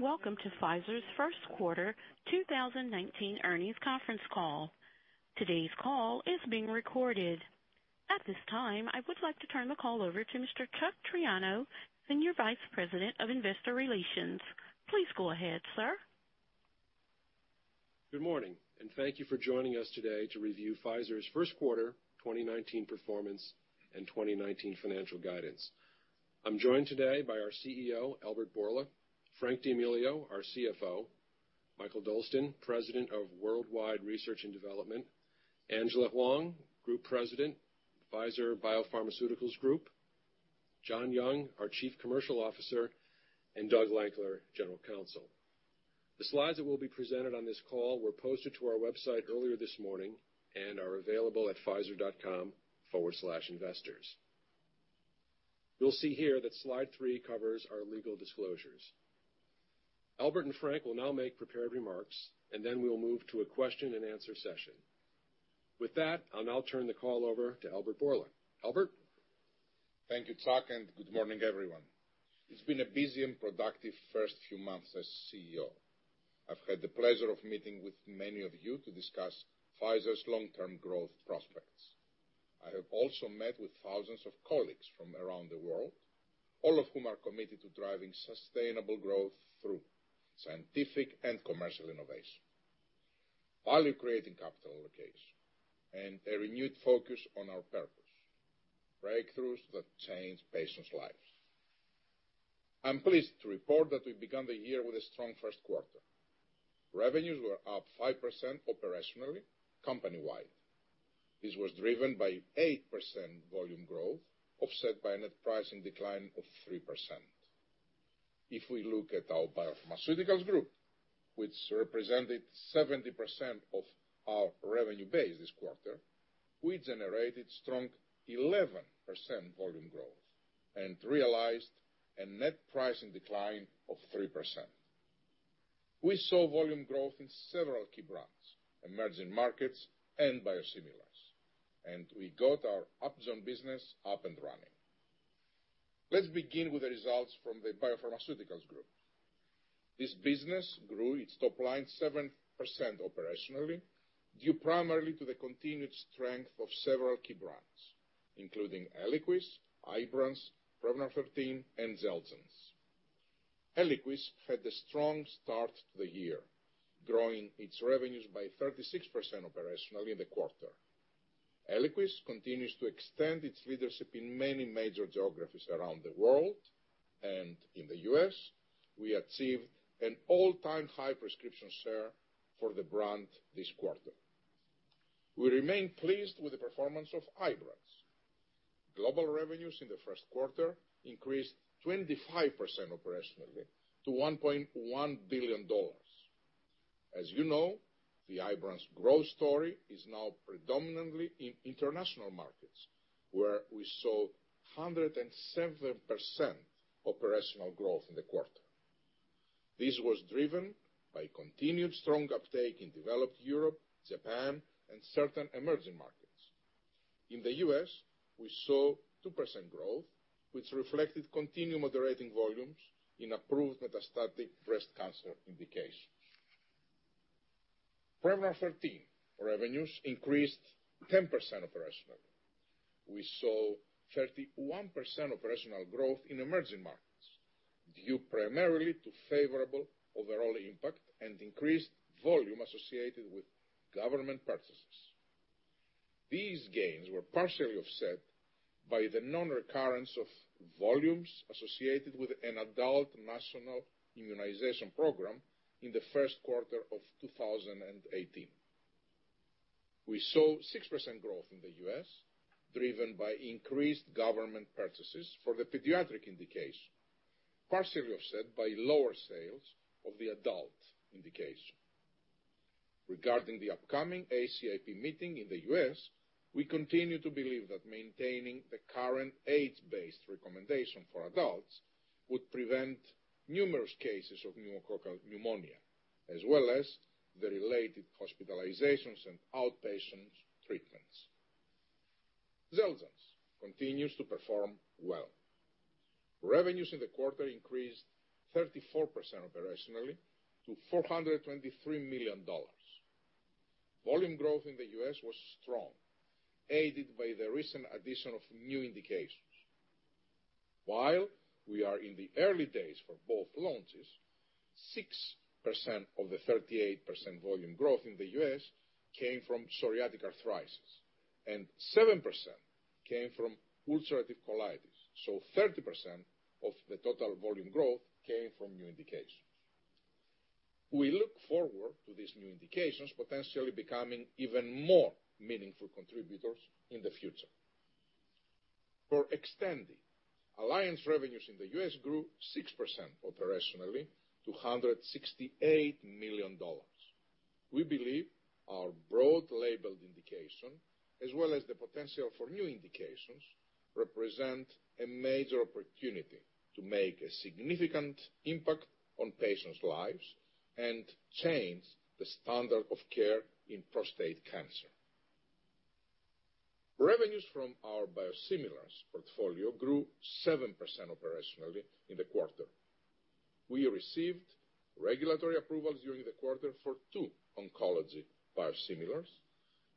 Welcome to Pfizer's first quarter 2019 earnings conference call. Today's call is being recorded. At this time, I would like to turn the call over to Mr. Chuck Triano, Senior Vice President of Investor Relations. Please go ahead, sir. Good morning, thank you for joining us today to review Pfizer's first quarter 2019 performance and 2019 financial guidance. I'm joined today by our CEO, Albert Bourla; Frank D'Amelio, our CFO; Mikael Dolsten, President of Worldwide Research and Development; Angela Hwang, Group President, Pfizer Biopharmaceuticals Group; John Young, our Chief Commercial Officer; and Doug Lankler, General Counsel. The slides that will be presented on this call were posted to our website earlier this morning and are available at pfizer.com/investors. You'll see here that slide three covers our legal disclosures. Albert and Frank will now make prepared remarks, then we'll move to a question and answer session. With that, I'll now turn the call over to Albert Bourla. Albert? Thank you, Chuck, good morning, everyone. It's been a busy and productive first few months as CEO. I've had the pleasure of meeting with many of you to discuss Pfizer's long-term growth prospects. I have also met with thousands of colleagues from around the world, all of whom are committed to driving sustainable growth through scientific and commercial innovation, value-creating capital allocation, and a renewed focus on our purpose, breakthroughs that change patients' lives. I'm pleased to report that we've begun the year with a strong first quarter. Revenues were up 5% operationally company-wide. This was driven by 8% volume growth, offset by a net pricing decline of 3%. If we look at our Biopharmaceuticals Group, which represented 70% of our revenue base this quarter, we generated strong 11% volume growth and realized a net pricing decline of 3%. We saw volume growth in several key brands, emerging markets and biosimilars. We got our Upjohn business up and running. Let's begin with the results from the Biopharmaceuticals Group. This business grew its top line 7% operationally, due primarily to the continued strength of several key brands, including ELIQUIS, IBRANCE, Prevnar 13, and XELJANZ. ELIQUIS had a strong start to the year, growing its revenues by 36% operationally in the quarter. ELIQUIS continues to extend its leadership in many major geographies around the world, and in the U.S., we achieved an all-time high prescription share for the brand this quarter. We remain pleased with the performance of IBRANCE. Global revenues in the first quarter increased 25% operationally to $1.1 billion. As you know, the IBRANCE growth story is now predominantly in international markets, where we saw 107% operational growth in the quarter. This was driven by continued strong uptake in developed Europe, Japan, and certain emerging markets. In the U.S., we saw 2% growth, which reflected continued moderating volumes in approved metastatic breast cancer indications. Prevnar 13 revenues increased 10% operationally. We saw 31% operational growth in emerging markets, due primarily to favorable overall impact and increased volume associated with government purchases. These gains were partially offset by the non-recurrence of volumes associated with an adult national immunization program in the first quarter of 2018. We saw 6% growth in the U.S., driven by increased government purchases for the pediatric indication, partially offset by lower sales of the adult indication. Regarding the upcoming ACIP meeting in the U.S., we continue to believe that maintaining the current age-based recommendation for adults would prevent numerous cases of pneumococcal pneumonia, as well as the related hospitalizations and outpatient treatments. XELJANZ continues to perform well. Revenues in the quarter increased 34% operationally to $423 million. Volume growth in the U.S. was strong, aided by the recent addition of new indications. While we are in the early days for both launches, 6% of the 38% volume growth in the U.S. came from psoriatic arthritis, and 7% came from ulcerative colitis. 30% of the total volume growth came from new indications. We look forward to these new indications potentially becoming even more meaningful contributors in the future. For XTANDI, alliance revenues in the U.S. grew 6% operationally to $168 million. We believe our broad labeled indication, as well as the potential for new indications, represent a major opportunity to make a significant impact on patients' lives and change the standard of care in prostate cancer. Revenues from our biosimilars portfolio grew 7% operationally in the quarter. We received regulatory approvals during the quarter for two oncology biosimilars,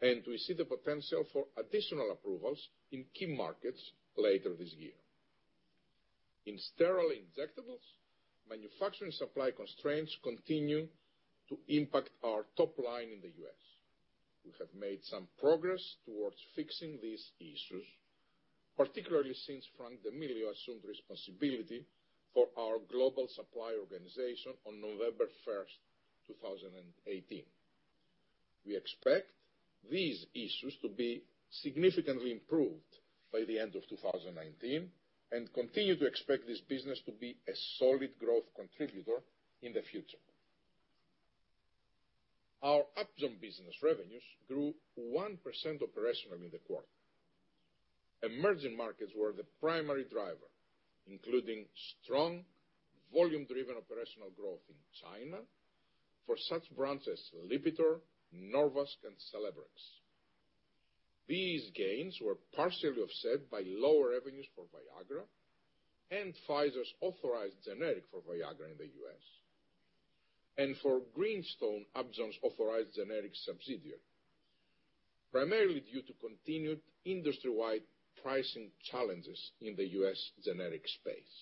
and we see the potential for additional approvals in key markets later this year. In sterile injectables, manufacturing supply constraints continue to impact our top line in the U.S. We have made some progress towards fixing these issues, particularly since Frank D'Amelio assumed responsibility for our global supply organization on November 1, 2018. We expect these issues to be significantly improved by the end of 2019 and continue to expect this business to be a solid growth contributor in the future. Our Upjohn business revenues grew 1% operationally in the quarter. Emerging markets were the primary driver, including strong volume-driven operational growth in China for such brands as LIPITOR, NORVASC, and CELEBREX. These gains were partially offset by lower revenues for VIAGRA and Pfizer's authorized generic for VIAGRA in the U.S., and for Greenstone, Upjohn's authorized generic subsidiary, primarily due to continued industry-wide pricing challenges in the U.S. generic space.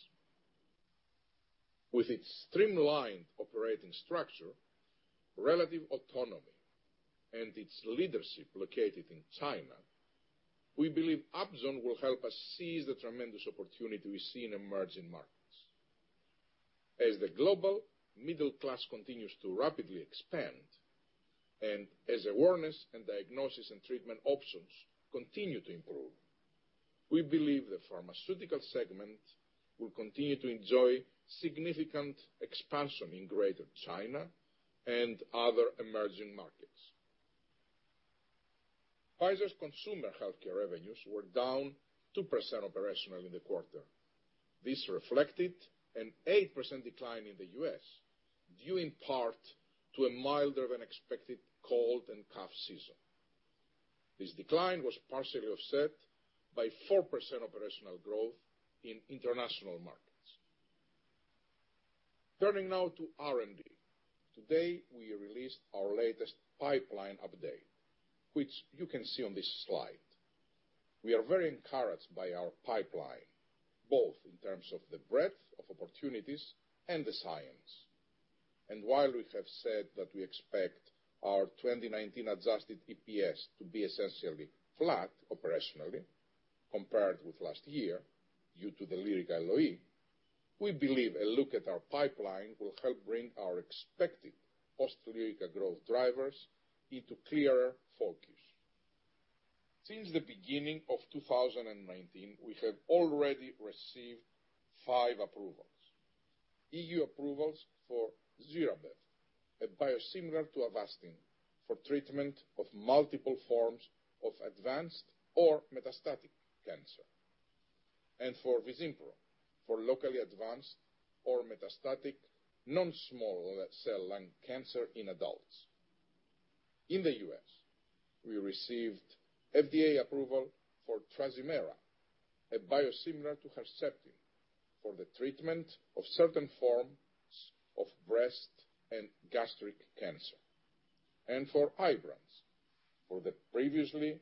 With its streamlined operating structure, relative autonomy, and its leadership located in China, we believe Upjohn will help us seize the tremendous opportunity we see in emerging markets. As the global middle class continues to rapidly expand, and as awareness and diagnosis and treatment options continue to improve, we believe the pharmaceutical segment will continue to enjoy significant expansion in Greater China and other emerging markets. Pfizer's consumer healthcare revenues were down 2% operationally in the quarter. This reflected an 8% decline in the U.S., due in part to a milder than expected cold and cough season. This decline was partially offset by 4% operational growth in international markets. Turning now to R&D. Today, we released our latest pipeline update, which you can see on this slide. We are very encouraged by our pipeline, both in terms of the breadth of opportunities and the science. While we have said that we expect our 2019 adjusted EPS to be essentially flat operationally compared with last year due to the LYRICA LOE, we believe a look at our pipeline will help bring our expected post-LYRICA growth drivers into clearer focus. Since the beginning of 2019, we have already received five approvals. EU approvals for ZIRABEV, a biosimilar to Avastin, for treatment of multiple forms of advanced or metastatic cancer, and for VIZIMPRO, for locally advanced or metastatic non-small cell lung cancer in adults. In the U.S., we received FDA approval for TRAZIMERA, a biosimilar to Herceptin, for the treatment of certain forms of breast and gastric cancer. For IBRANCE, for the previously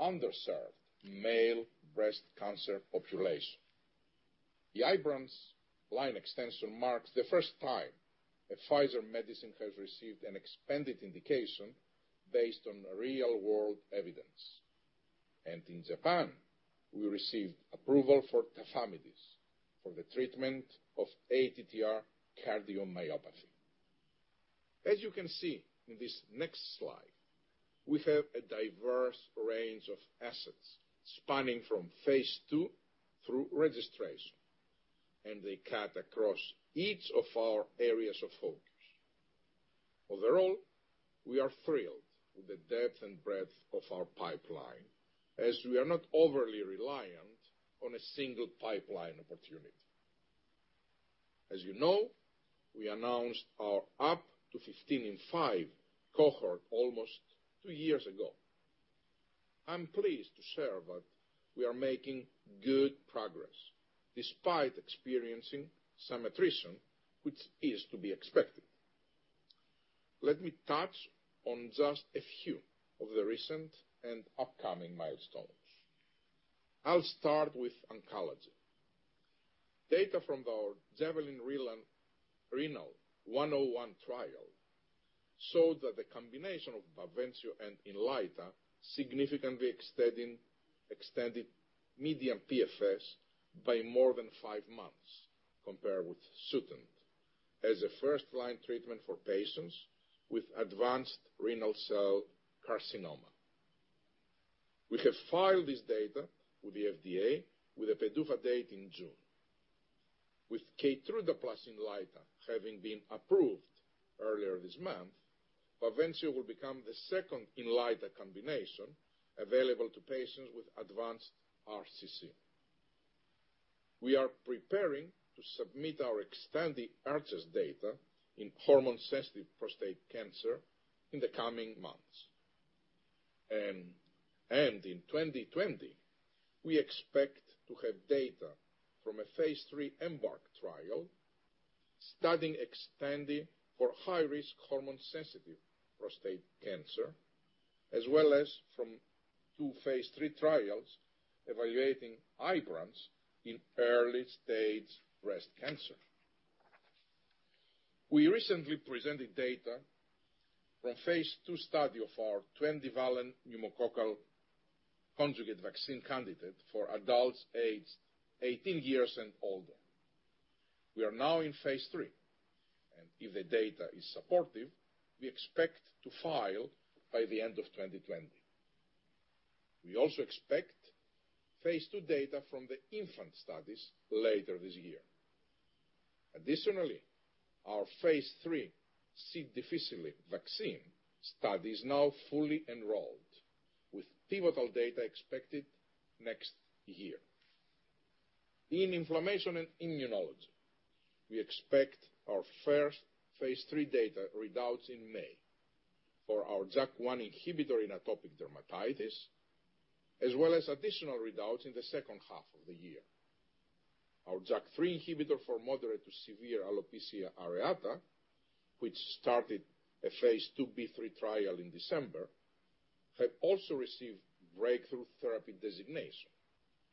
underserved male breast cancer population. The IBRANCE line extension marks the first time a Pfizer medicine has received an expanded indication based on real-world evidence. In Japan, we received approval for tafamidis for the treatment of ATTR cardiomyopathy. As you can see in this next slide, we have a diverse range of assets spanning from phase II through registration, and they cut across each of our areas of focus. Overall, we are thrilled with the depth and breadth of our pipeline as we are not overly reliant on a single pipeline opportunity. As you know, we announced our up to 15 in five cohort almost two years ago. I'm pleased to share that we are making good progress despite experiencing some attrition, which is to be expected. Let me touch on just a few of the recent and upcoming milestones. I'll start with oncology. Data from our JAVELIN Renal 101 trial showed that the combination of BAVENCIO and INLYTA significantly extended median PFS by more than five months compared with SUTENT as a first-line treatment for patients with advanced renal cell carcinoma. We have filed this data with the FDA with a PDUFA date in June. With KEYTRUDA plus INLYTA having been approved earlier this month, BAVENCIO will become the second INLYTA combination available to patients with advanced RCC. We are preparing to submit our XTANDI access data in hormone-sensitive prostate cancer in the coming months. In 2020, we expect to have data from a phase III EMBARK trial studying XTANDI for high-risk hormone-sensitive prostate cancer, as well as from two phase III trials evaluating IBRANCE in early-stage breast cancer. We recently presented data from phase II study of our 20-valent pneumococcal conjugate vaccine candidate for adults aged 18 years and older. We are now in phase III, if the data is supportive, we expect to file by the end of 2020. We also expect phase II data from the infant studies later this year. Additionally, our phase III C. difficile vaccine study is now fully enrolled, with pivotal data expected next year. In inflammation and immunology, we expect our first phase III data readouts in May for our JAK1 inhibitor in atopic dermatitis, as well as additional readouts in the second half of the year. Our JAK3 inhibitor for moderate to severe alopecia areata, which started a phase II-B/III trial in December, have also received breakthrough therapy designation,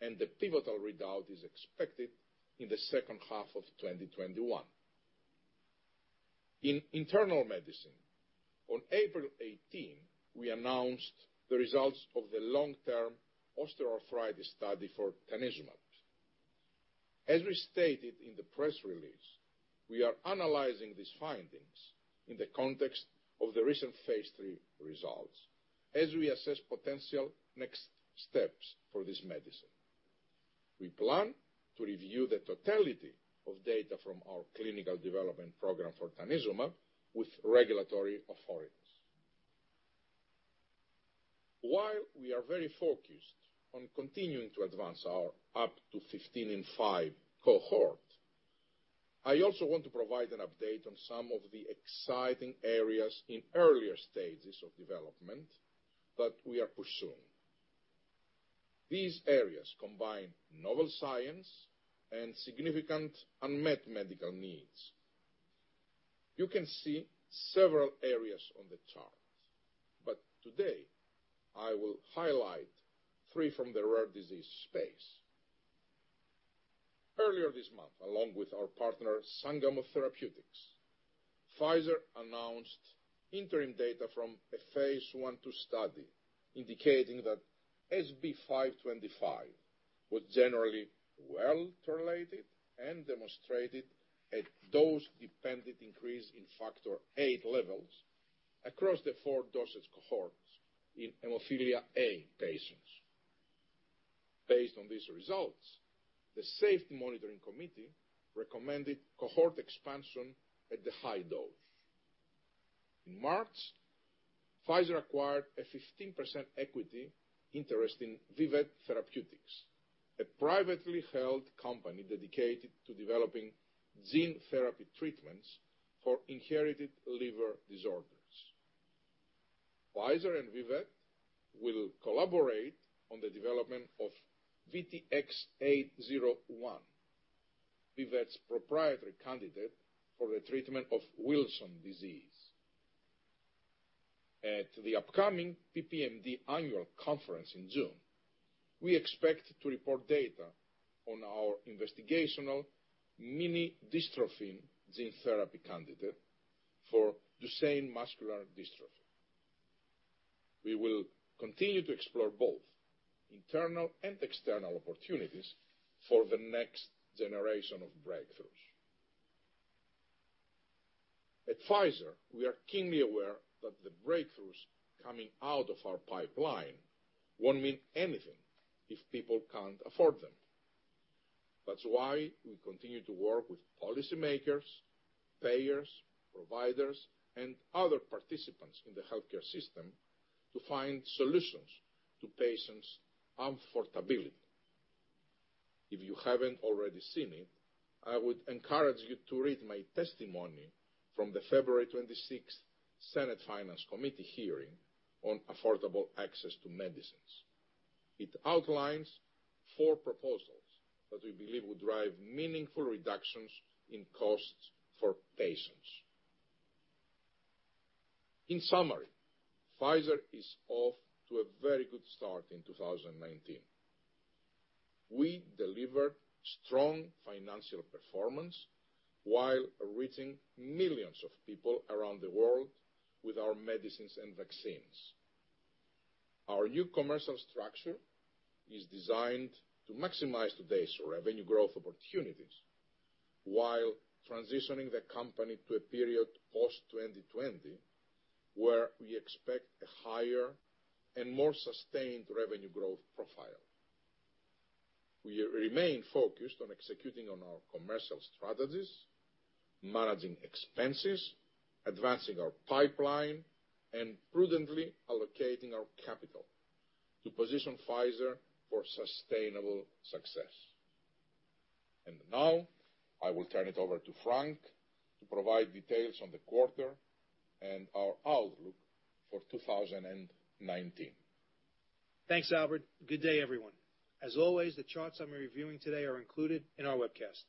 the pivotal readout is expected in the second half of 2021. In internal medicine, on April 18, we announced the results of the long-term osteoarthritis study for tanezumab. As we stated in the press release, we are analyzing these findings in the context of the recent phase III results as we assess potential next steps for this medicine. We plan to review the totality of data from our clinical development program for tanezumab with regulatory authorities. While we are very focused on continuing to advance our up to 15 in five cohort, I also want to provide an update on some of the exciting areas in earlier stages of development that we are pursuing. These areas combine novel science and significant unmet medical needs. You can see several areas on the chart, but today I will highlight three from the rare disease space. Earlier this month, along with our partner Sangamo Therapeutics, Pfizer announced interim data from a phase I/II study indicating that SB-525 was generally well-tolerated and demonstrated a dose-dependent increase in Factor VIII levels across the four dosage cohorts in hemophilia A patients. Based on these results, the Safety Monitoring Committee recommended cohort expansion at the high dose. In March, Pfizer acquired a 15% equity interest in Vivet Therapeutics, a privately held company dedicated to developing gene therapy treatments for inherited liver disorders. Pfizer and Vivet will collaborate on the development of VTX-801, Vivet's proprietary candidate for the treatment of Wilson disease. At the upcoming PPMD Annual Conference in June, we expect to report data on our investigational mini dystrophin gene therapy candidate for Duchenne muscular dystrophy. We will continue to explore both internal and external opportunities for the next generation of breakthroughs. At Pfizer, we are keenly aware that the breakthroughs coming out of our pipeline won't mean anything if people can't afford them. That's why we continue to work with policymakers, payers, providers, and other participants in the healthcare system to find solutions to patients' affordability. If you haven't already seen it, I would encourage you to read my testimony from the February 26th Senate Committee on Finance hearing on affordable access to medicines. It outlines four proposals that we believe will drive meaningful reductions in costs for patients. In summary, Pfizer is off to a very good start in 2019. We delivered strong financial performance while reaching millions of people around the world with our medicines and vaccines. Our new commercial structure is designed to maximize today's revenue growth opportunities while transitioning the company to a period post 2020 where we expect a higher and more sustained revenue growth profile. We remain focused on executing on our commercial strategies, managing expenses, advancing our pipeline, and prudently allocating our capital to position Pfizer for sustainable success. Now I will turn it over to Frank to provide details on the quarter and our outlook for 2019. Thanks, Albert. Good day, everyone. As always, the charts I'm reviewing today are included in our webcast.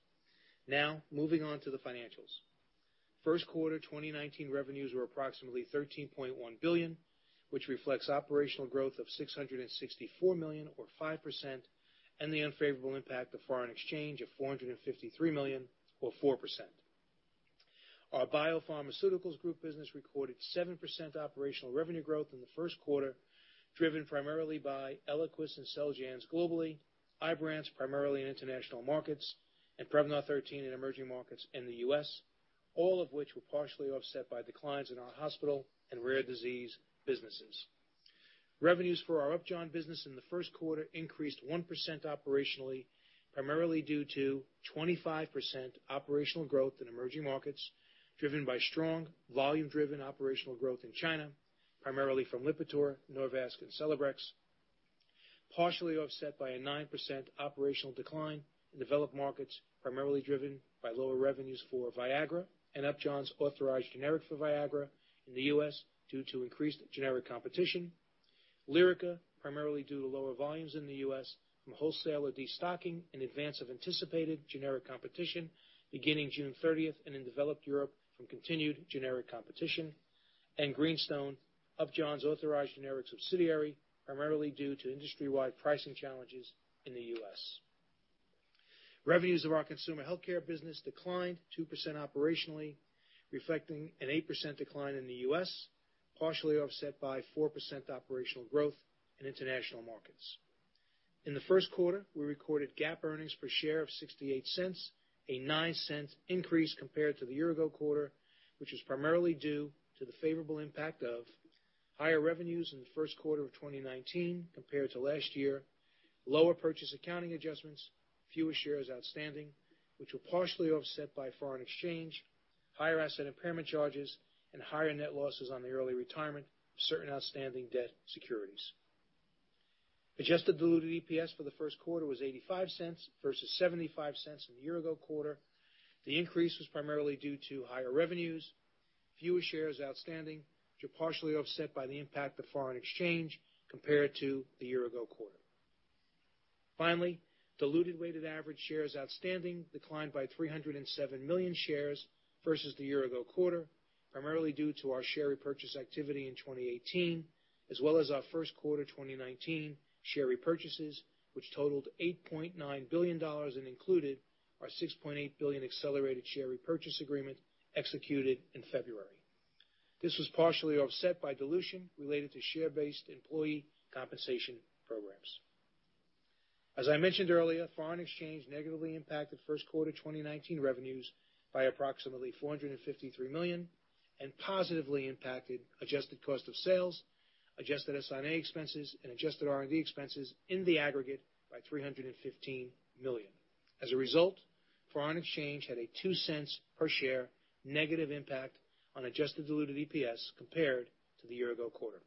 Moving on to the financials. First quarter 2019 revenues were approximately $13.1 billion, which reflects operational growth of $664 million or 5%, and the unfavorable impact of foreign exchange of $453 million or 4%. Our Biopharmaceuticals Group business recorded 7% operational revenue growth in the first quarter, driven primarily by ELIQUIS and XELJANZ globally, IBRANCE primarily in international markets, and Prevnar 13 in emerging markets in the U.S., all of which were partially offset by declines in our hospital and rare disease businesses. Revenues for our Upjohn business in the first quarter increased 1% operationally, primarily due to 25% operational growth in emerging markets, driven by strong volume-driven operational growth in China, primarily from LIPITOR, NORVASC, and CELEBREX, partially offset by a 9% operational decline in developed markets primarily driven by lower revenues for VIAGRA and Upjohn's authorized generic for VIAGRA in the U.S. due to increased generic competition. LYRICA, primarily due to lower volumes in the U.S. from wholesaler destocking in advance of anticipated generic competition beginning June 30th and in developed Europe from continued generic competition. Greenstone, Upjohn's authorized generic subsidiary, primarily due to industry-wide pricing challenges in the U.S. Revenues of our consumer healthcare business declined 2% operationally, reflecting an 8% decline in the U.S., partially offset by 4% operational growth in international markets. In the first quarter, we recorded GAAP earnings per share of $0.68, a $0.09 increase compared to the year-ago quarter, which is primarily due to the favorable impact of higher revenues in the first quarter of 2019 compared to last year, lower purchase accounting adjustments, fewer shares outstanding, which were partially offset by foreign exchange, higher asset impairment charges, and higher net losses on the early retirement of certain outstanding debt securities. Adjusted diluted EPS for the first quarter was $0.85 versus $0.75 in the year-ago quarter. The increase was primarily due to higher revenues, fewer shares outstanding, which were partially offset by the impact of foreign exchange compared to the year-ago quarter. Finally, diluted weighted average shares outstanding declined by 307 million shares versus the year-ago quarter, primarily due to our share repurchase activity in 2018, as well as our first quarter 2019 share repurchases, which totaled $8.9 billion and included our $6.8 billion accelerated share repurchase agreement executed in February. This was partially offset by dilution related to share-based employee compensation programs. As I mentioned earlier, foreign exchange negatively impacted first quarter 2019 revenues by approximately $453 million, and positively impacted adjusted cost of sales, adjusted SI&A expenses, and adjusted R&D expenses in the aggregate by $315 million. As a result, foreign exchange had a $0.02 per share negative impact on adjusted diluted EPS compared to the year-ago quarter.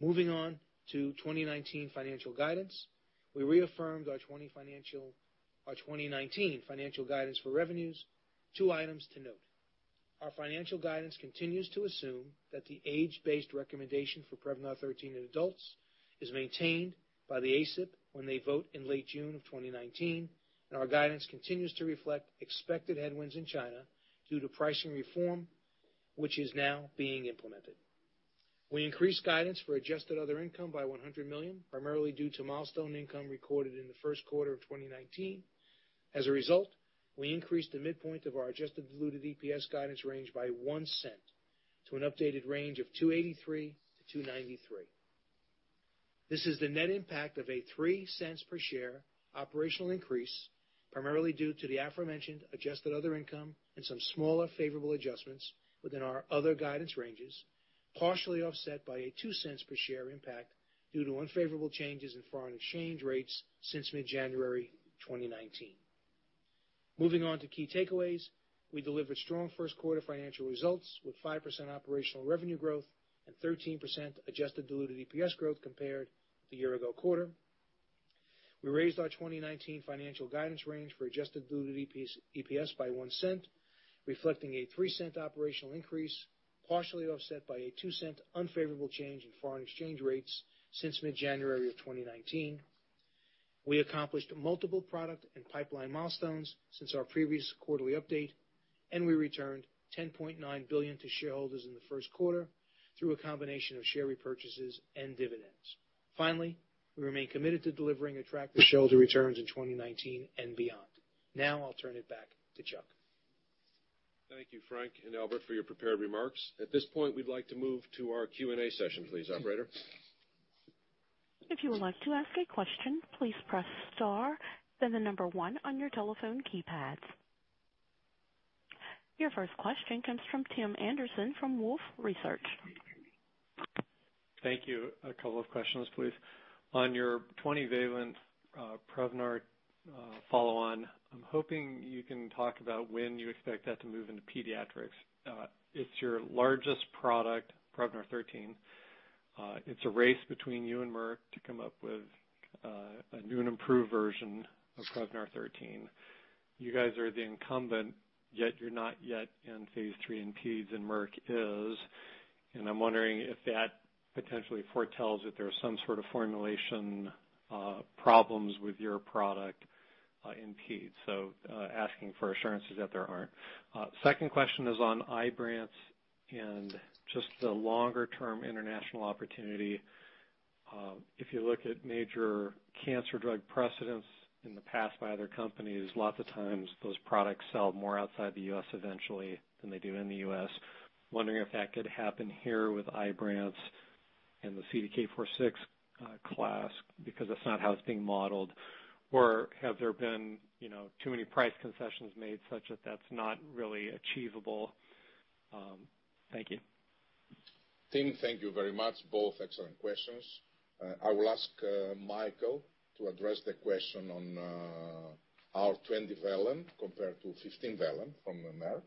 Moving on to 2019 financial guidance. We reaffirmed our 2019 financial guidance for revenues. Two items to note. Our financial guidance continues to assume that the age-based recommendation for Prevnar 13 in adults is maintained by the ACIP when they vote in late June of 2019. Our guidance continues to reflect expected headwinds in China due to pricing reform, which is now being implemented. We increased guidance for adjusted other income by $100 million, primarily due to milestone income recorded in the first quarter of 2019. As a result, we increased the midpoint of our adjusted diluted EPS guidance range by $0.01 to an updated range of $2.83-$2.93. This is the net impact of a $0.03 per share operational increase, primarily due to the aforementioned adjusted other income and some smaller favorable adjustments within our other guidance ranges, partially offset by a $0.02 per share impact due to unfavorable changes in foreign exchange rates since mid-January 2019. Moving on to key takeaways. We delivered strong first-quarter financial results with 5% operational revenue growth and 13% adjusted diluted EPS growth compared to the year-ago quarter. We raised our 2019 financial guidance range for adjusted diluted EPS by $0.01, reflecting a $0.03 operational increase, partially offset by a $0.02 unfavorable change in foreign exchange rates since mid-January of 2019. We accomplished multiple product and pipeline milestones since our previous quarterly update. We returned $10.9 billion to shareholders in the first quarter through a combination of share repurchases and dividends. We remain committed to delivering attractive shareholder returns in 2019 and beyond. Now I'll turn it back to Chuck. Thank you, Frank and Albert, for your prepared remarks. At this point, we'd like to move to our Q&A session please, operator. If you would like to ask a question, please press star, then the number one on your telephone keypads. Your first question comes from Tim Anderson from Wolfe Research. Thank you. A couple of questions, please. On your 20-valent Prevnar follow-on, I'm hoping you can talk about when you expect that to move into pediatrics. It's your largest product, Prevnar 13. It's a race between you and Merck to come up with a new and improved version of Prevnar 13. You guys are the incumbent, yet you're not yet in phase III in pedes, and Merck is. I'm wondering if that potentially foretells that there are some sort of formulation problems with your product in pedes. Asking for assurances that there aren't. Second question is on IBRANCE and just the longer-term international opportunity. If you look at major cancer drug precedents in the past by other companies, lots of times those products sell more outside the U.S. eventually than they do in the U.S.. Wondering if that could happen here with IBRANCE and the CDK4/6 class, because that's not how it's being modeled. Have there been too many price concessions made such that that's not really achievable? Thank you. Tim, thank you very much. Both excellent questions. I will ask Mikael to address the question on our 20-valent compared to 15-valent from Merck.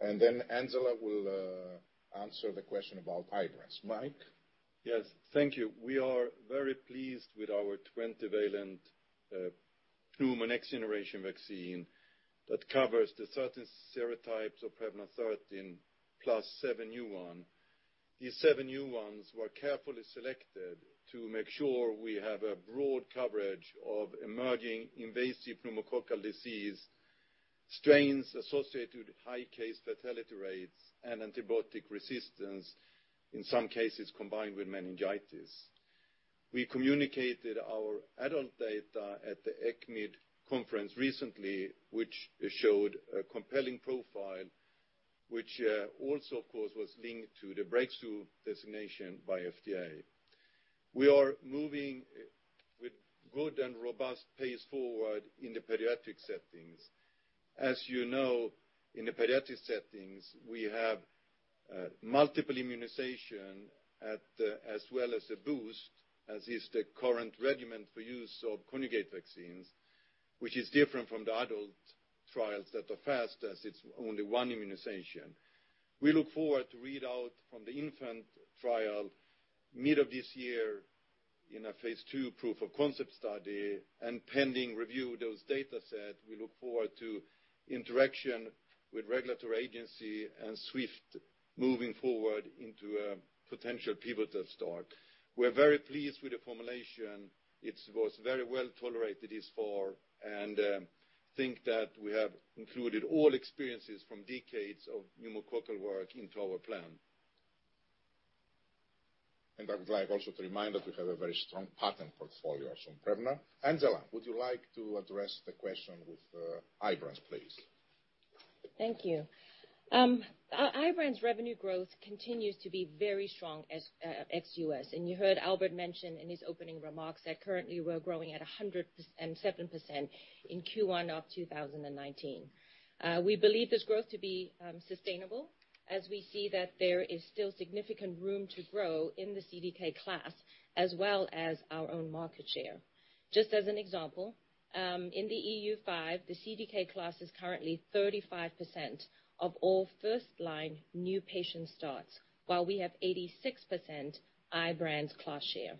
Angela will answer the question about IBRANCE. Mike? Yes. Thank you. We are very pleased with our 20-valent pneumo next-generation vaccine that covers the 13 serotypes of Prevnar 13, plus seven new ones. These seven new ones were carefully selected to make sure we have a broad coverage of emerging invasive pneumococcal disease strains associated with high case fatality rates and antibiotic resistance, in some cases combined with meningitis. We communicated our adult data at the ECCMID conference recently, which showed a compelling profile, which also, of course, was linked to the breakthrough designation by FDA. We are moving with good and robust pace forward in the pediatric settings. As you know, in the pediatric settings, we have multiple immunization as well as a boost, as is the current regimen for use of conjugate vaccines, which is different from the adult trials that are fast as it's only one immunization. We look forward to readout from the infant trial mid of this year in a phase II proof of concept study and pending review those data set. We look forward to interaction with regulatory agency and swift moving forward into a potential pivotal start. We're very pleased with the formulation. It was very well tolerated thus far, and think that we have included all experiences from decades of pneumococcal work into our plan. I would like also to remind that we have a very strong patent portfolio from Prevnar. Angela, would you like to address the question with IBRANCE, please? Thank you. IBRANCE revenue growth continues to be very strong ex-U.S. You heard Albert mention in his opening remarks that currently we're growing at 107% in Q1 of 2019. We believe this growth to be sustainable as we see that there is still significant room to grow in the CDK class, as well as our own market share. Just as an example, in the EU5, the CDK class is currently 35% of all first-line new patient starts, while we have 86% IBRANCE class share.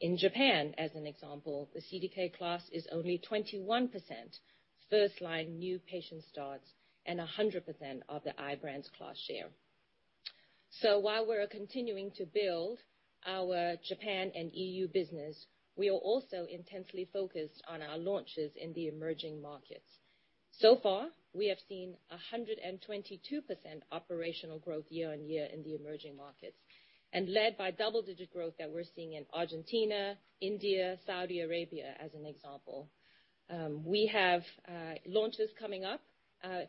In Japan, as an example, the CDK class is only 21% first-line new patient starts and 100% of the IBRANCE class share. While we're continuing to build our Japan and EU business, we are also intensely focused on our launches in the emerging markets. So far, we have seen 122% operational growth year-on-year in the emerging markets. Led by double-digit growth that we're seeing in Argentina, India, Saudi Arabia, as an example. We have launches coming up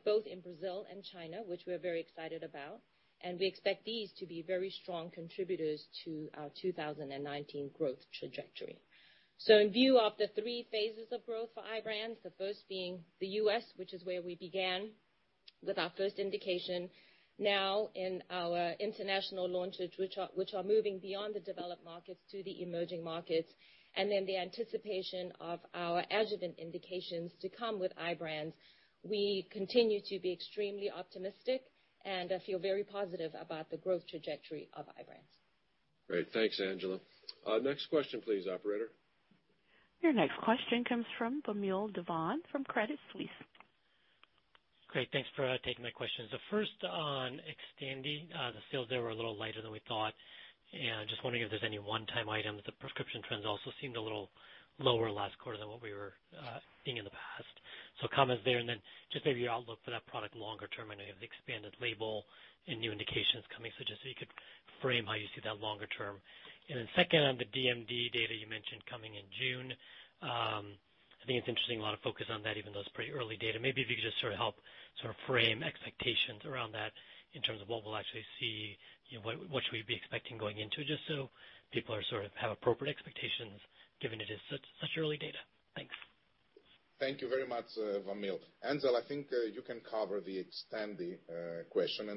both in Brazil and China, which we're very excited about, and we expect these to be very strong contributors to our 2019 growth trajectory. In view of the three phases of growth for IBRANCE, the first being the U.S., which is where we began with our first indication now in our international launches, which are moving beyond the developed markets to the emerging markets, and then the anticipation of our adjuvant indications to come with IBRANCE. We continue to be extremely optimistic, and I feel very positive about the growth trajectory of IBRANCE. Great. Thanks, Angela. Next question, please, operator. Your next question comes from Vamil Divan from Credit Suisse. Great. Thanks for taking my questions. First on XTANDI, the sales there were a little lighter than we thought, just wondering if there's any one-time item that the prescription trends also seemed a little lower last quarter than what we were seeing in the past. Comments there, then just maybe your outlook for that product longer term. I know you have the expanded label and new indications coming, just so you could frame how you see that longer term. Second, on the DMD data you mentioned coming in June. I think it's interesting a lot of focus on that, even though it's pretty early data. Maybe if you could just sort of help frame expectations around that in terms of what we'll actually see, what should we be expecting going into it, just so people have appropriate expectations given it is such early data. Thanks. Thank you very much, Vamil. Angela, I think you can cover the XTANDI question.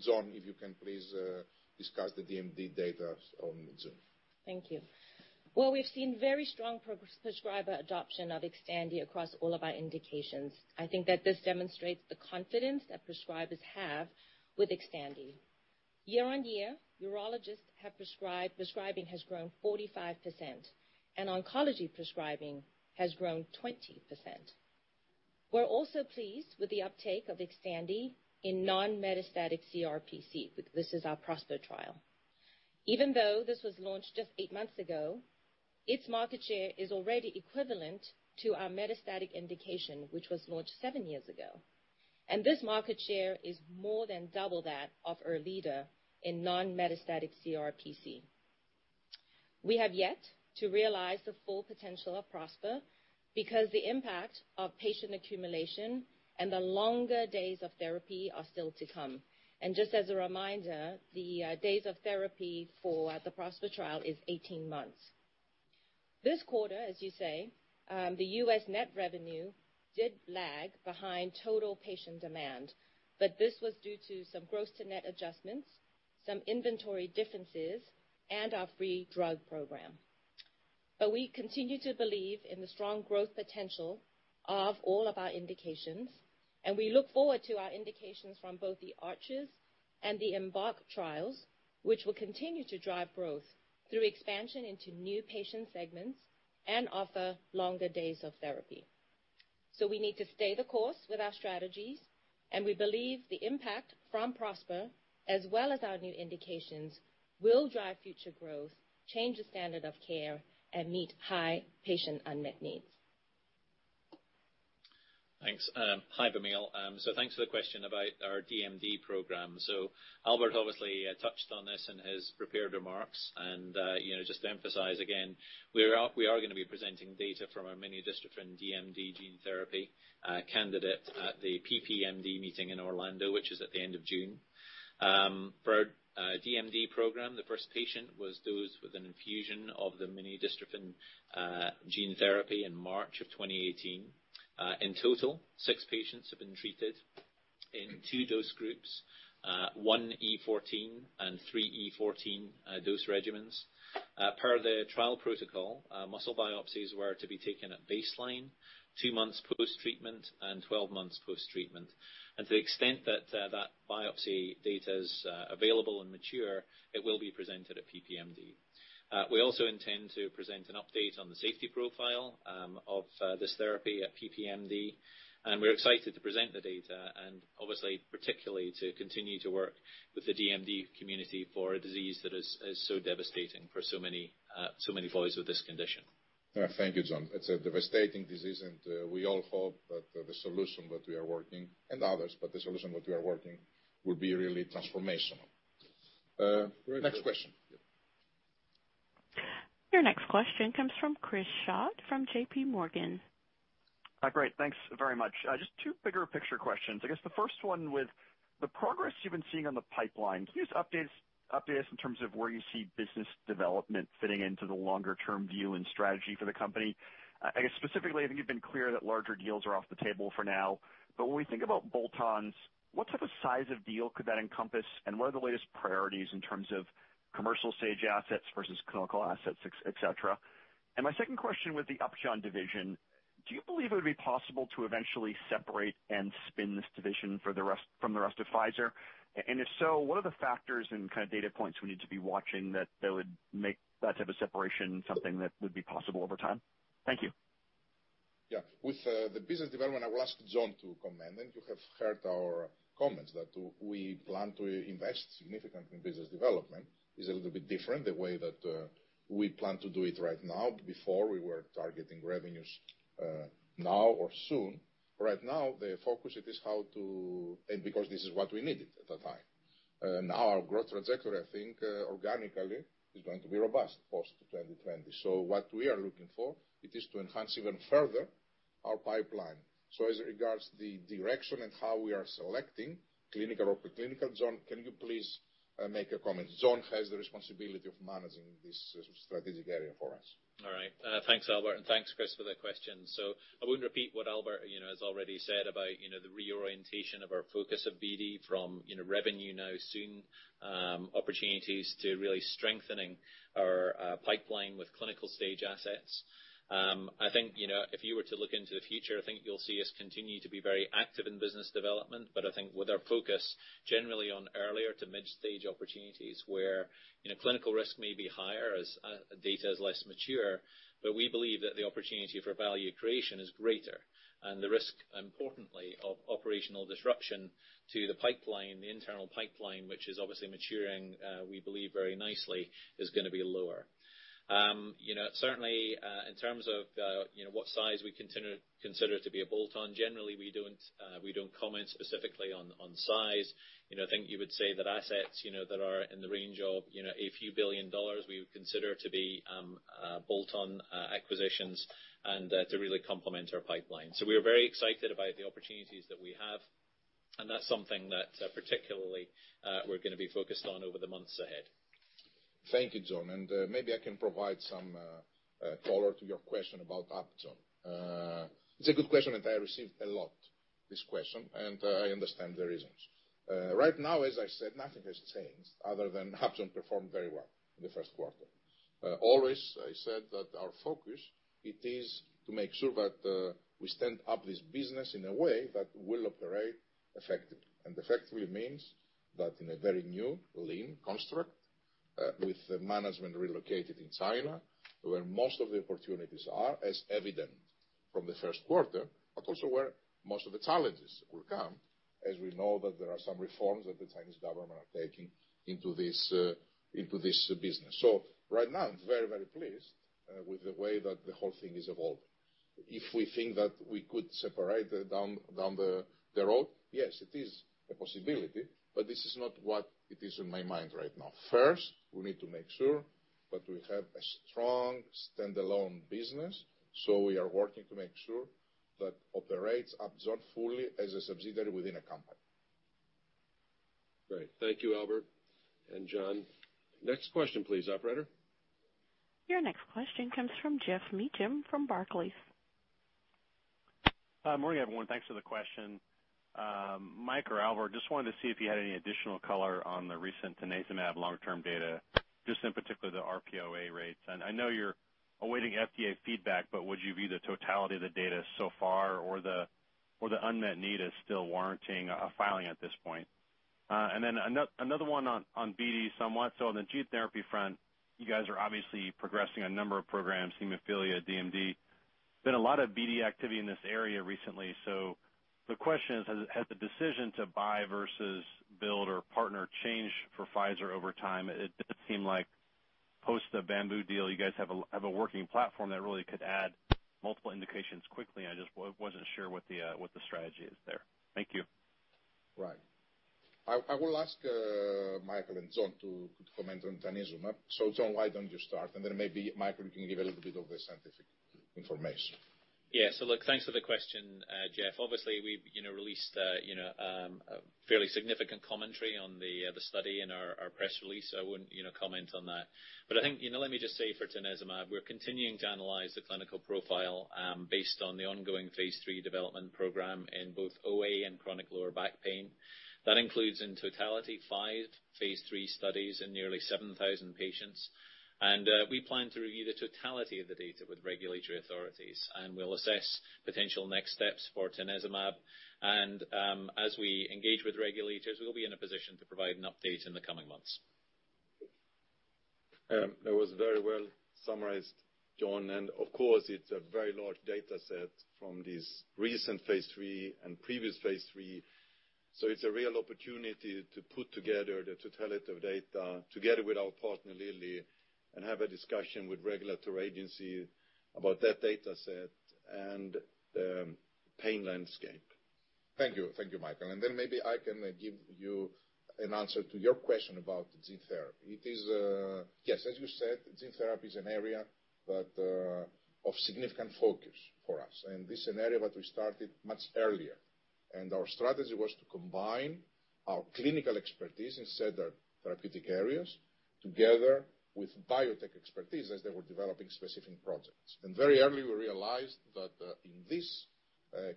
John, if you can please discuss the DMD data on Zoom. Thank you. Well, we've seen very strong prescriber adoption of XTANDI across all of our indications. I think that this demonstrates the confidence that prescribers have with XTANDI. Year-on-year, Prescribing has grown 45%, and oncology prescribing has grown 20%. We're also pleased with the uptake of XTANDI in non-metastatic CRPC. This is our PROSPER trial. Even though this was launched just eight months ago, its market share is already equivalent to our metastatic indication, which was launched seven years ago, and this market share is more than double that of ERLEADA in non-metastatic CRPC. We have yet to realize the full potential of PROSPER because the impact of patient accumulation and the longer days of therapy are still to come. Just as a reminder, the days of therapy for the PROSPER trial is 18 months. This quarter, as you say, the U.S. net revenue did lag behind total patient demand, but this was due to some gross to net adjustments, some inventory differences, and our free drug program. We continue to believe in the strong growth potential of all of our indications. We look forward to our indications from both the ARCHES and the EMBARK trials, which will continue to drive growth through expansion into new patient segments and offer longer days of therapy. We need to stay the course with our strategies. We believe the impact from PROSPER, as well as our new indications, will drive future growth, change the standard of care, and meet high patient unmet needs. Thanks. Hi, Vamil. Thanks for the question about our DMD program. Albert obviously touched on this in his prepared remarks. Just to emphasize again, we are going to be presenting data from our minidystrophin DMD gene therapy candidate at the PPMD meeting in Orlando, which is at the end of June. For our DMD program, the first patient was dosed with an infusion of the minidystrophin gene therapy in March of 2018. In total, six patients have been treated in two dose groups, one E14 and three E14 dose regimens. Per the trial protocol, muscle biopsies were to be taken at baseline, two months post-treatment, and 12 months post-treatment. To the extent that that biopsy data is available and mature, it will be presented at PPMD. We also intend to present an update on the safety profile of this therapy at PPMD. We're excited to present the data and obviously particularly to continue to work with the DMD community for a disease that is so devastating for so many boys with this condition. Thank you, John. It's a devastating disease. We all hope that the solution that we are working, and others, the solution that we are working will be really transformational. Next question. Your next question comes from Chris Schott from JPMorgan. Great. Thanks very much. Just two bigger picture questions. I guess the first one with the progress you've been seeing on the pipeline, can you just update us in terms of where you see business development fitting into the longer-term view and strategy for the company? I guess specifically, I think you've been clear that larger deals are off the table for now. When we think about bolt-ons, what type of size of deal could that encompass, and what are the latest priorities in terms of commercial stage assets versus clinical assets, et cetera? My second question with the Upjohn division, do you believe it would be possible to eventually separate and spin this division from the rest of Pfizer? If so, what are the factors and kind of data points we need to be watching that would make that type of separation something that would be possible over time? Thank you. Yeah. With the business development, I will ask John to comment. You have heard our comments that we plan to invest significantly in business development. It is a little bit different the way that we plan to do it right now. Before, we were targeting revenues now or soon. Right now, the focus it is how to. Because this is what we needed at the time. Now our growth trajectory, I think organically is going to be robust post-2020. What we are looking for, it is to enhance even further our pipeline. As regards the direction and how we are selecting clinical or preclinical, John, can you please make a comment? John has the responsibility of managing this strategic area for us. All right. Thanks, Albert, and thanks, Chris, for the question. I wouldn't repeat what Albert has already said about the reorientation of our focus of BD from revenue now soon opportunities to really strengthening our pipeline with clinical stage assets. I think, if you were to look into the future, I think you'll see us continue to be very active in business development, but I think with our focus generally on earlier to mid-stage opportunities where clinical risk may be higher as data is less mature. We believe that the opportunity for value creation is greater, and the risk, importantly, of operational disruption to the pipeline, the internal pipeline, which is obviously maturing, we believe very nicely, is going to be lower. Certainly, in terms of what size we consider to be a bolt-on, generally, we don't comment specifically on size. I think you would say that assets that are in the range of a few billion dollars, we would consider to be bolt-on acquisitions and to really complement our pipeline. We are very excited about the opportunities that we have, and that's something that particularly we are going to be focused on over the months ahead. Thank you, John. Maybe I can provide some color to your question about Upjohn. It's a good question, and I receive a lot this question, and I understand the reasons. Right now, as I said, nothing has changed other than Upjohn performed very well in the first quarter. Always, I said that our focus is to make sure that we stand up this business in a way that will operate effectively. Effectively means that in a very new lean construct, with the management relocated in China, where most of the opportunities are as evident from the first quarter, but also where most of the challenges will come, as we know that there are some reforms that the Chinese government are taking into this business. Right now, I'm very pleased with the way that the whole thing is evolving. If we think that we could separate down the road, yes, it is a possibility, but this is not what it is in my mind right now. First, we need to make sure that we have a strong standalone business. We are working to make sure that operates Upjohn fully as a subsidiary within a company. Great. Thank you, Albert and John. Next question, please, operator. Your next question comes from Geoff Meacham from Barclays. Morning, everyone. Thanks for the question. Mikael or Albert, just wanted to see if you had any additional color on the recent tanezumab long-term data, just in particular the RPOA rates. I know you're awaiting FDA feedback, but would you view the totality of the data so far or the unmet need as still warranting a filing at this point? Another one on BD somewhat. On the gene therapy front, you guys are obviously progressing a number of programs, hemophilia, DMD. Been a lot of BD activity in this area recently. The question is, has the decision to buy versus build or partner change for Pfizer over time? It does seem like post the Bamboo deal, you guys have a working platform that really could add multiple indications quickly, and I just wasn't sure what the strategy is there. Thank you. Right. I will ask Mikael and John to comment on tanezumab. John, why don't you start? Maybe Mikael can give a little bit of the scientific information. Yeah. Look, thanks for the question, Geoff. Obviously, we've released a fairly significant commentary on the study in our press release. I wouldn't comment on that. I think, let me just say for tanezumab, we're continuing to analyze the clinical profile, based on the ongoing phase III development program in both OA and chronic lower back pain. That includes in totality five phase III studies in nearly 7,000 patients. We plan to review the totality of the data with regulatory authorities, and we'll assess potential next steps for tanezumab. As we engage with regulators, we'll be in a position to provide an update in the coming months. That was very well summarized, John. Of course, it's a very large data set from this recent phase III and previous phase III. It's a real opportunity to put together the totality of data together with our partner, Lilly, and have a discussion with regulatory agency about that data set and the pain landscape. Thank you, Mikael. Then maybe I can give you an answer to your question about gene therapy. Yes, as you said, gene therapy is an area of significant focus for us. This is an area that we started much earlier, and our strategy was to combine our clinical expertise in said therapeutic areas together with biotech expertise as they were developing specific projects. Very early, we realized that in this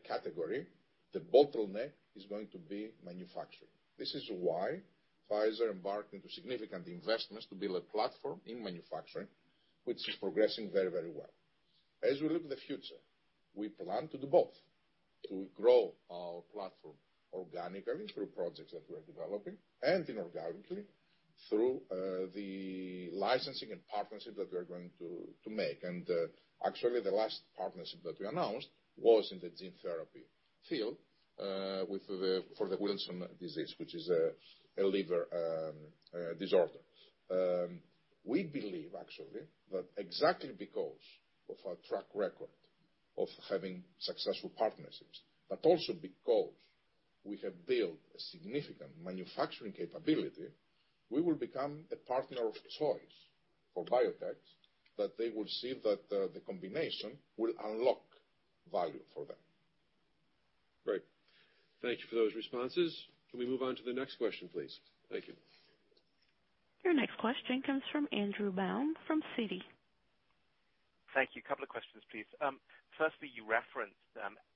category, the bottleneck is going to be manufacturing. This is why Pfizer embarked into significant investments to build a platform in manufacturing, which is progressing very well. As we look to the future, we plan to do both, to grow our platform organically through projects that we're developing and inorganically through the licensing and partnerships that we're going to make. Actually, the last partnership that we announced was in the gene therapy field for the Wilson disease, which is a liver disorder. We believe actually that exactly because of our track record of having successful partnerships, but also because we have built a significant manufacturing capability, we will become a partner of choice for biotechs, that they will see that the combination will unlock value for them. Great. Thank you for those responses. Can we move on to the next question, please? Thank you. Your next question comes from Andrew Baum from Citi. Thank you. Couple of questions, please. Firstly, you referenced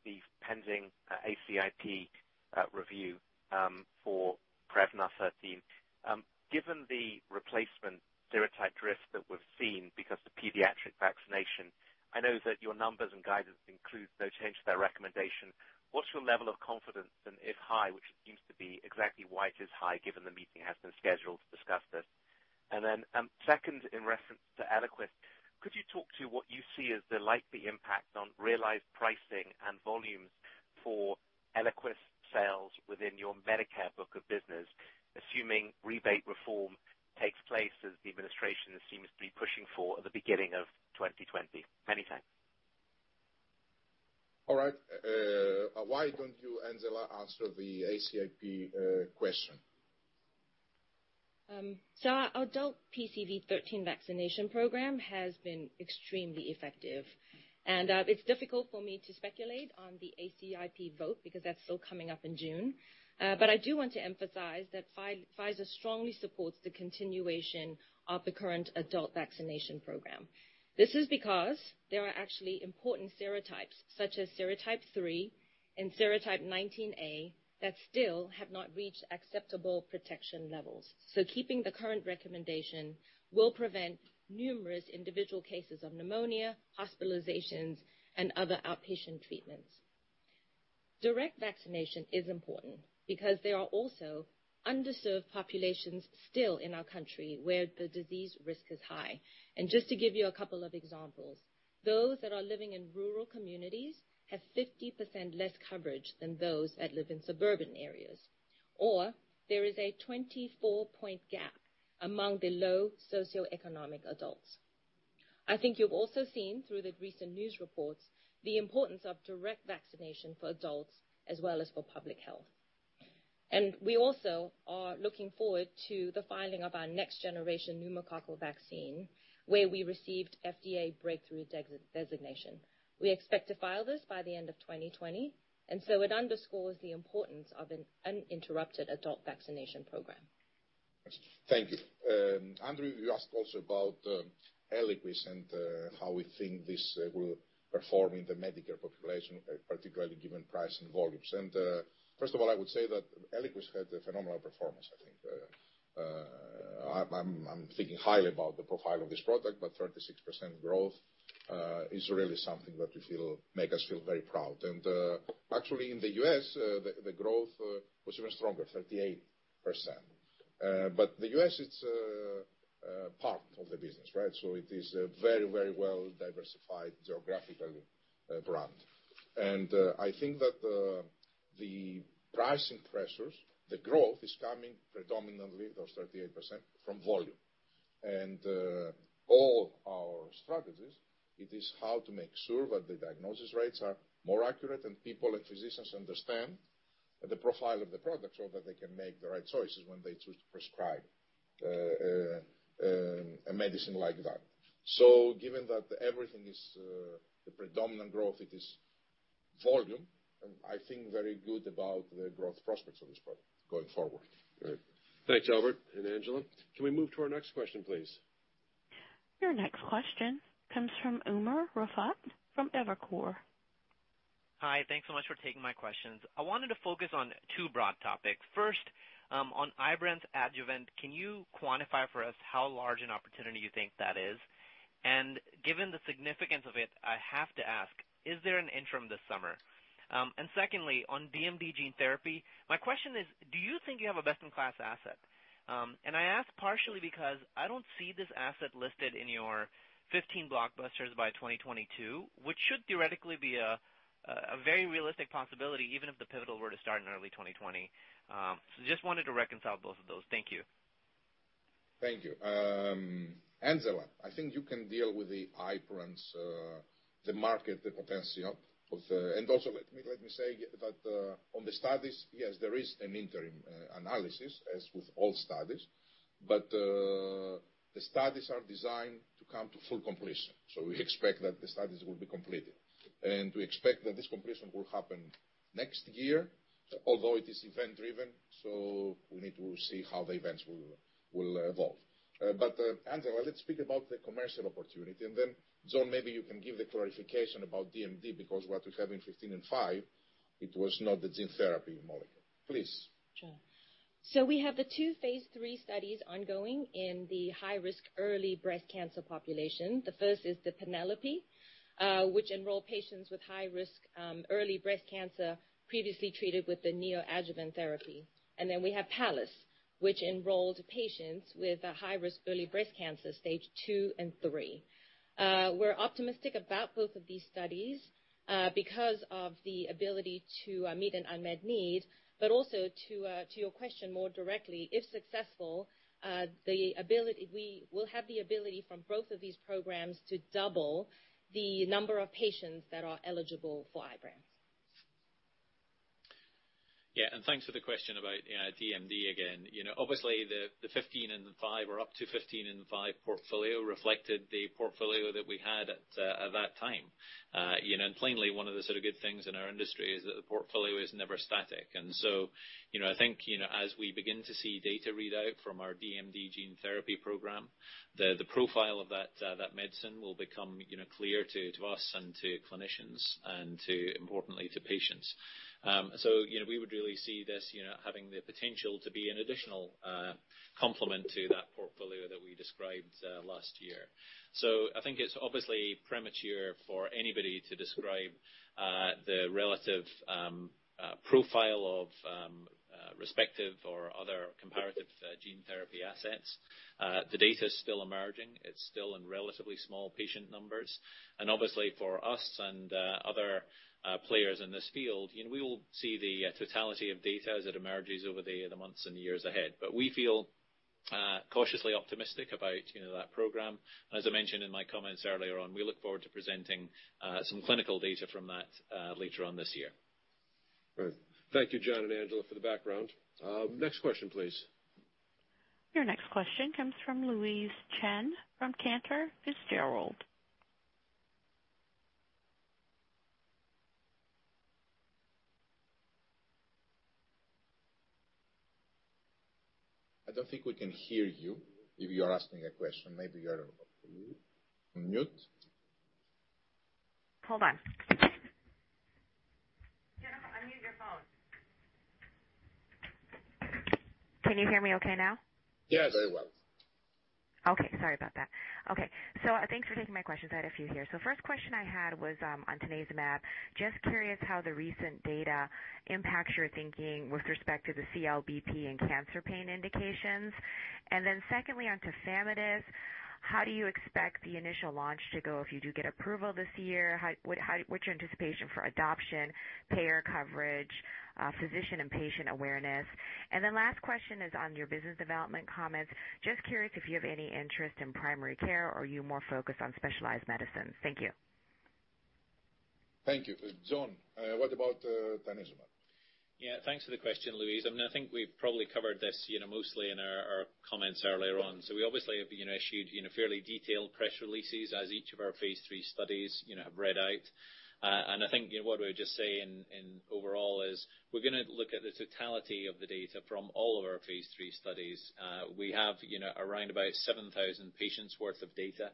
the pending ACIP review for Prevnar 13. Given the replacement serotype drift that we've seen because of pediatric vaccination, I know that your numbers and guidance include no change to their recommendation. What's your level of confidence, and if high, which it seems to be, exactly why it is high, given the meeting has been scheduled to discuss this? Second, in reference to ELIQUIS, could you talk to what you see as the likely impact on realized pricing and volumes for ELIQUIS sales within your Medicare book of business, assuming rebate reform takes place as the administration seems to be pushing for at the beginning of 2020? Many thanks. All right. Why don't you, Angela, answer the ACIP question? Our adult PCV13 vaccination program has been extremely effective. It's difficult for me to speculate on the ACIP vote because that's still coming up in June. I do want to emphasize that Pfizer strongly supports the continuation of the current adult vaccination program. This is because there are actually important serotypes, such as serotype 3 and serotype 19A, that still have not reached acceptable protection levels. Keeping the current recommendation will prevent numerous individual cases of pneumonia, hospitalizations, and other outpatient treatments. Direct vaccination is important because there are also underserved populations still in our country where the disease risk is high. Just to give you a couple of examples, those that are living in rural communities have 50% less coverage than those that live in suburban areas, or there is a 24-point gap among the low socioeconomic adults. I think you've also seen through the recent news reports the importance of direct vaccination for adults as well as for public health. We also are looking forward to the filing of our next-generation pneumococcal vaccine, where we received FDA breakthrough designation. We expect to file this by the end of 2020, it underscores the importance of an uninterrupted adult vaccination program. Thank you. Andrew, you asked also about ELIQUIS and how we think this will perform in the Medicare population, particularly given price and volumes. First of all, I would say that ELIQUIS had a phenomenal performance, I think. I'm thinking highly about the profile of this product, but 36% growth is really something that make us feel very proud. Actually, in the U.S., the growth was even stronger, 38%. The U.S., it's a part of the business, right? It is a very well-diversified geographical brand. I think that the pricing pressures, the growth is coming predominantly, those 38%, from volume. All our strategies, it is how to make sure that the diagnosis rates are more accurate and people and physicians understand the profile of the product so that they can make the right choices when they choose to prescribe a medicine like that. Given that everything is the predominant growth, it is volume, I think very good about the growth prospects of this product going forward. Great. Thanks, Albert and Angela. Can we move to our next question, please? Your next question comes from Umer Raffat from Evercore. Hi. Thanks so much for taking my questions. I wanted to focus on two broad topics. First, on IBRANCE adjuvant, can you quantify for us how large an opportunity you think that is? Given the significance of it, I have to ask, is there an interim this summer? Secondly, on DMD gene therapy, my question is, do you think you have a best-in-class asset? I ask partially because I don't see this asset listed in your 15 blockbusters by 2022, which should theoretically be a very realistic possibility, even if the pivotal were to start in early 2020. Just wanted to reconcile both of those. Thank you. Thank you. Angela, I think you can deal with the IBRANCE, the market potential. Also let me say that on the studies, yes, there is an interim analysis, as with all studies. The studies are designed to come to full completion. We expect that the studies will be completed. We expect that this completion will happen next year, although it is event-driven, so we need to see how the events will evolve. Angela, let's speak about the commercial opportunity, and John, maybe you can give the clarification about DMD, because what we have in 15 in five, it was not the gene therapy molecule. Please. Sure. We have the two phase III studies ongoing in the high-risk early breast cancer population. The first is the PENELOPE-B, which enroll patients with high risk early breast cancer previously treated with the neoadjuvant therapy. We have PALLAS, which enrolls patients with a high-risk early breast cancer stage 2 and 3. We're optimistic about both of these studies because of the ability to meet an unmet need, but also to your question more directly, if successful, we will have the ability from both of these programs to double the number of patients that are eligible for IBRANCE. Yeah, thanks for the question about DMD again. Obviously, the 15 in five or up to 15 in five portfolio reflected the portfolio that we had at that time. Plainly, one of the sort of good things in our industry is that the portfolio is never static. I think as we begin to see data readout from our DMD gene therapy program, the profile of that medicine will become clear to us and to clinicians and importantly to patients. We would really see this having the potential to be an additional complement to that portfolio that we described last year. I think it's obviously premature for anybody to describe the relative profile of respective or other comparative gene therapy assets. The data's still emerging. It's still in relatively small patient numbers. Obviously for us and other players in this field, we will see the totality of data as it emerges over the months and years ahead. We feel cautiously optimistic about that program. As I mentioned in my comments earlier on, we look forward to presenting some clinical data from that later on this year. Right. Thank you, John and Angela, for the background. Next question, please. Your next question comes from Louise Chen from Cantor Fitzgerald. I don't think we can hear you if you are asking a question. Maybe you are on mute. Hold on. Louise, unmute your phone. Can you hear me okay now? Yes, very well. Okay. Sorry about that. Okay. Thanks for taking my questions. I had a few here. First question I had was on tanezumab. Just curious how the recent data impacts your thinking with respect to the CLBP and cancer pain indications. Secondly, on tafamidis, how do you expect the initial launch to go if you do get approval this year? What's your anticipation for adoption, payer coverage, physician and patient awareness? Last question is on your business development comments. Just curious if you have any interest in primary care, or are you more focused on specialized medicines? Thank you. Thank you. John, what about tanezumab? Thanks for the question, Louise. I think we've probably covered this mostly in our comments earlier on. We obviously have issued fairly detailed press releases as each of our phase III studies have read out. I think what we're just saying in overall is we're going to look at the totality of the data from all of our phase III studies. We have around about 7,000 patients worth of data.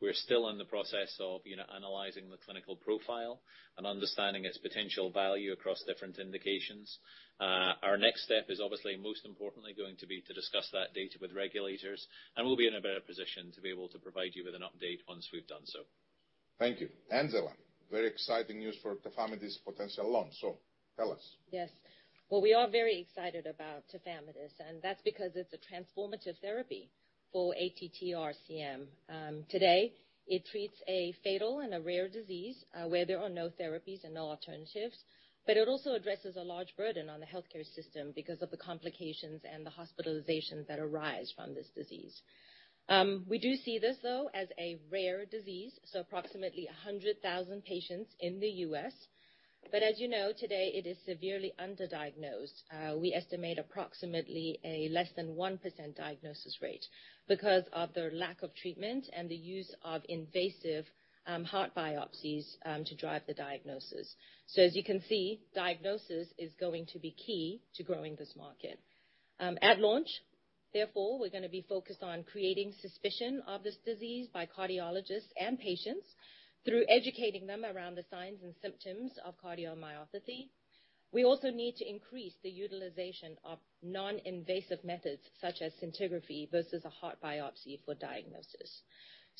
We're still in the process of analyzing the clinical profile and understanding its potential value across different indications. Our next step is obviously most importantly, going to be to discuss that data with regulators, and we'll be in a better position to be able to provide you with an update once we've done so. Thank you. Angela, very exciting news for tafamidis' potential launch. Tell us. Yes. Well, we are very excited about tafamidis, and that's because it's a transformative therapy for ATTR-CM. Today it treats a fatal and a rare disease where there are no therapies and no alternatives. It also addresses a large burden on the healthcare system because of the complications and the hospitalizations that arise from this disease. We do see this, though, as a rare disease, so approximately 100,000 patients in the U.S.. As you know, today it is severely underdiagnosed. We estimate approximately a less than 1% diagnosis rate because of the lack of treatment and the use of invasive heart biopsies to drive the diagnosis. As you can see, diagnosis is going to be key to growing this market. At launch, therefore, we're going to be focused on creating suspicion of this disease by cardiologists and patients through educating them around the signs and symptoms of cardiomyopathy. We also need to increase the utilization of non-invasive methods such as scintigraphy versus a heart biopsy for diagnosis.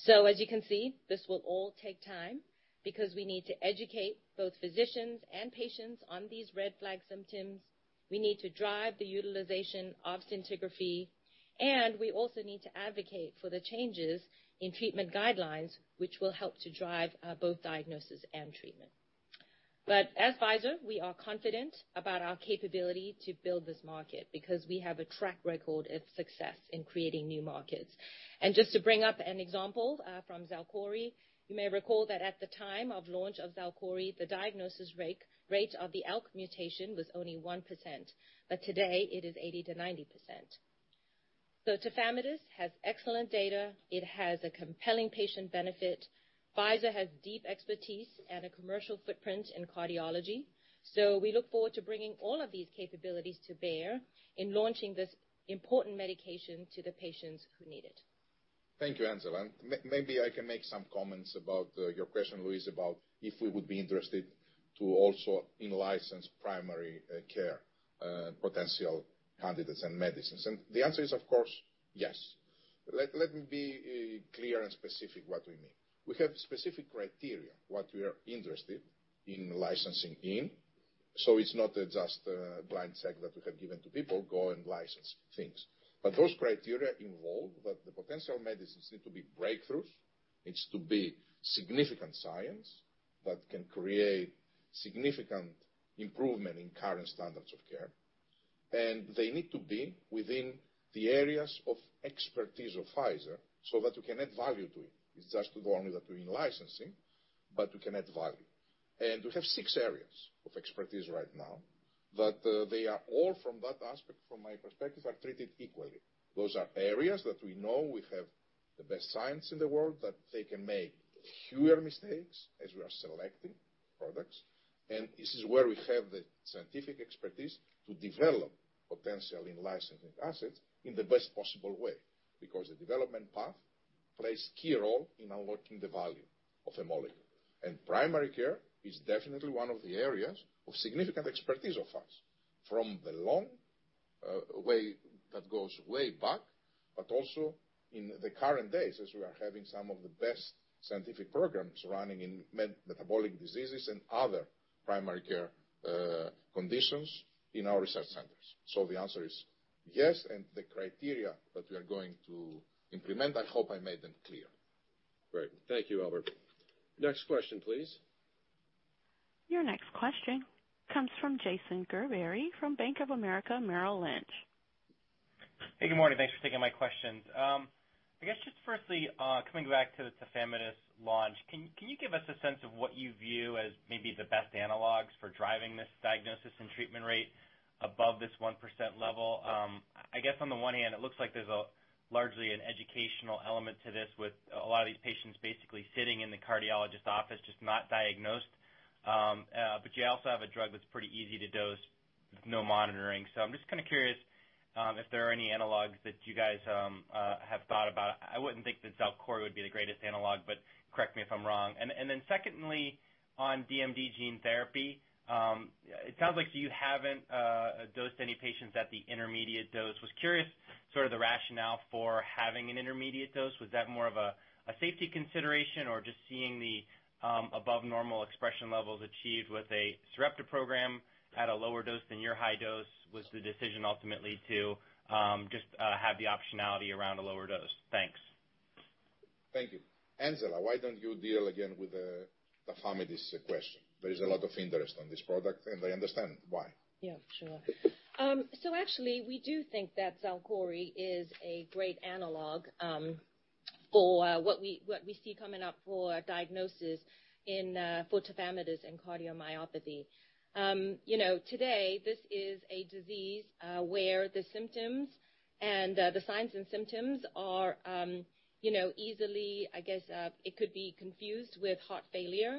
As you can see, this will all take time because we need to educate both physicians and patients on these red flag symptoms. We need to drive the utilization of scintigraphy, and we also need to advocate for the changes in treatment guidelines, which will help to drive both diagnosis and treatment. At Pfizer, we are confident about our capability to build this market because we have a track record of success in creating new markets. Just to bring up an example from XALKORI, you may recall that at the time of launch of XALKORI, the diagnosis rate of the ALK mutation was only 1%, but today it is 80%-90%. Tafamidis has excellent data. It has a compelling patient benefit. Pfizer has deep expertise and a commercial footprint in cardiology. We look forward to bringing all of these capabilities to bear in launching this important medication to the patients who need it. Thank you, Angela. Maybe I can make some comments about your question, Louise, about if we would be interested to also in-license primary care potential candidates and medicines. The answer is, of course, yes. Let me be clear and specific what we mean. We have specific criteria what we are interested in licensing in. It's not just a blind segment we have given to people, go and license things. Those criteria involve that the potential medicines need to be breakthroughs. It's to be significant science that can create significant improvement in current standards of care, and they need to be within the areas of expertise of Pfizer so that we can add value to it. It's just only that we're in licensing, but we can add value. We have six areas of expertise right now, they are all from that aspect, from my perspective, are treated equally. Those are areas that we know we have the best science in the world, that they can make fewer mistakes as we are selecting products. This is where we have the scientific expertise to develop potential in licensing assets in the best possible way, because the development path plays a key role in unlocking the value of a molecule. Primary care is definitely one of the areas of significant expertise of ours from the long way that goes way back, also in the current days as we are having some of the best scientific programs running in metabolic diseases and other primary care conditions in our research centers. The answer is yes, the criteria that we are going to implement, I hope I made them clear. Great. Thank you, Albert. Next question, please. Your next question comes from Jason Gerberry from Bank of America Merrill Lynch. Hey, good morning. Thanks for taking my questions. I guess just firstly, coming back to the tafamidis launch, can you give us a sense of what you view as maybe the best analogs for driving this diagnosis and treatment rate above this 1% level? I guess on the one hand, it looks like there's largely an educational element to this, with a lot of these patients basically sitting in the cardiologist's office, just not diagnosed. You also have a drug that's pretty easy to dose with no monitoring. I'm just curious if there are any analogs that you guys have thought about. I wouldn't think that XALKORI would be the greatest analog, but correct me if I'm wrong. Secondly, on DMD gene therapy, it sounds like you haven't dosed any patients at the intermediate dose. I was curious, sort of the rationale for having an intermediate dose. Was that more of a safety consideration or just seeing the above normal expression levels achieved with a Sarepta program at a lower dose than your high dose? Was the decision ultimately to just have the optionality around a lower dose? Thanks. Thank you. Angela, why don't you deal again with the tafamidis question? There is a lot of interest on this product. I understand why. Yeah, sure. Actually, we do think that XALKORI is a great analog for what we see coming up for diagnosis in tafamidis and cardiomyopathy. Today, this is a disease where the signs and symptoms could easily be confused with heart failure.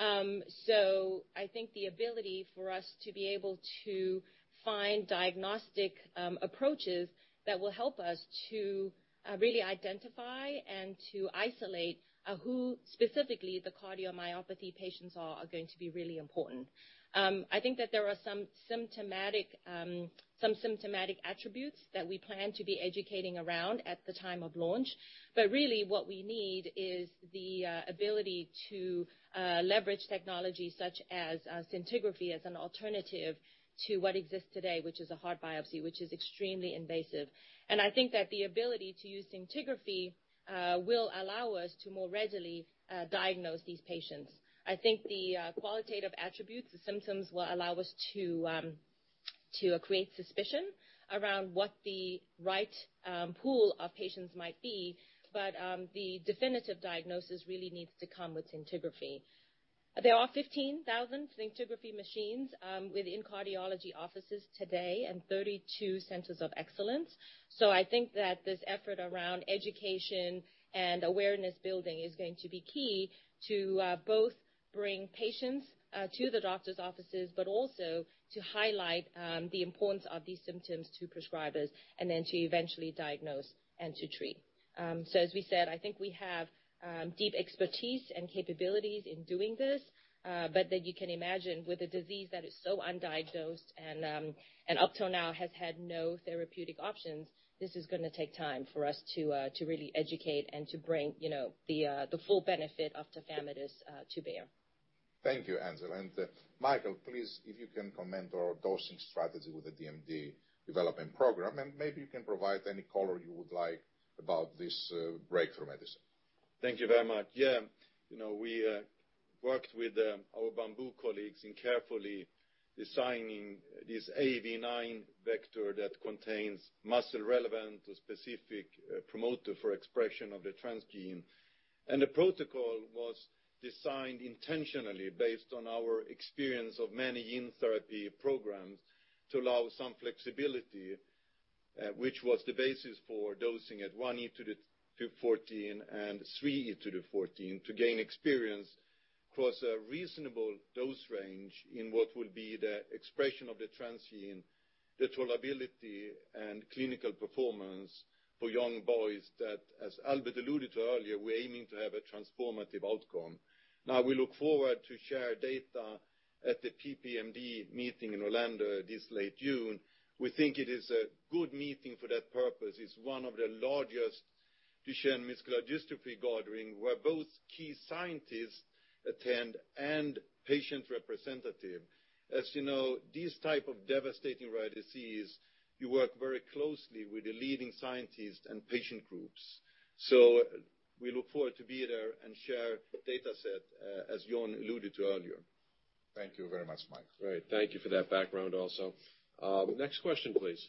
I think the ability for us to be able to find diagnostic approaches that will help us to really identify and to isolate who specifically the cardiomyopathy patients are going to be really important. I think that there are some symptomatic attributes that we plan to be educating around at the time of launch. Really what we need is the ability to leverage technology such as scintigraphy as an alternative to what exists today, which is a heart biopsy, which is extremely invasive. I think that the ability to use scintigraphy will allow us to more readily diagnose these patients. The qualitative attributes, the symptoms, will allow us to create suspicion around what the right pool of patients might be. The definitive diagnosis really needs to come with scintigraphy. There are 15,000 scintigraphy machines within cardiology offices today and 32 centers of excellence. This effort around education and awareness building is going to be key to both bring patients to the doctor's offices, but also to highlight the importance of these symptoms to prescribers and then to eventually diagnose and to treat. As we said, I think we have deep expertise and capabilities in doing this. You can imagine with a disease that is so undiagnosed and up till now has had no therapeutic options, this is going to take time for us to really educate and to bring the full benefit of tafamidis to bear. Thank you, Angela, and Mikael, please, if you can comment on our dosing strategy with the DMD development program, and maybe you can provide any color you would like about this breakthrough medicine. Thank you very much. We worked with our Bamboo colleagues in carefully designing this AAV9 vector that contains muscle-relevant specific promoter for expression of the transgene. The protocol was designed intentionally based on our experience of many gene therapy programs to allow some flexibility, which was the basis for dosing at one E to the 14 and three E to the 14 to gain experience across a reasonable dose range in what will be the expression of the transgene, the tolerability and clinical performance for young boys that, as Albert alluded to earlier, we're aiming to have a transformative outcome. We look forward to share data at the PPMD meeting in Orlando this late June. We think it is a good meeting for that purpose. It's one of the largest Duchenne muscular dystrophy gathering, where both key scientists attend and patient representative. As you know, these type of devastating rare disease, you work very closely with the leading scientists and patient groups. We look forward to be there and share dataset, as John alluded to earlier. Thank you very much, Mikael. Great. Thank you for that background also. Next question, please.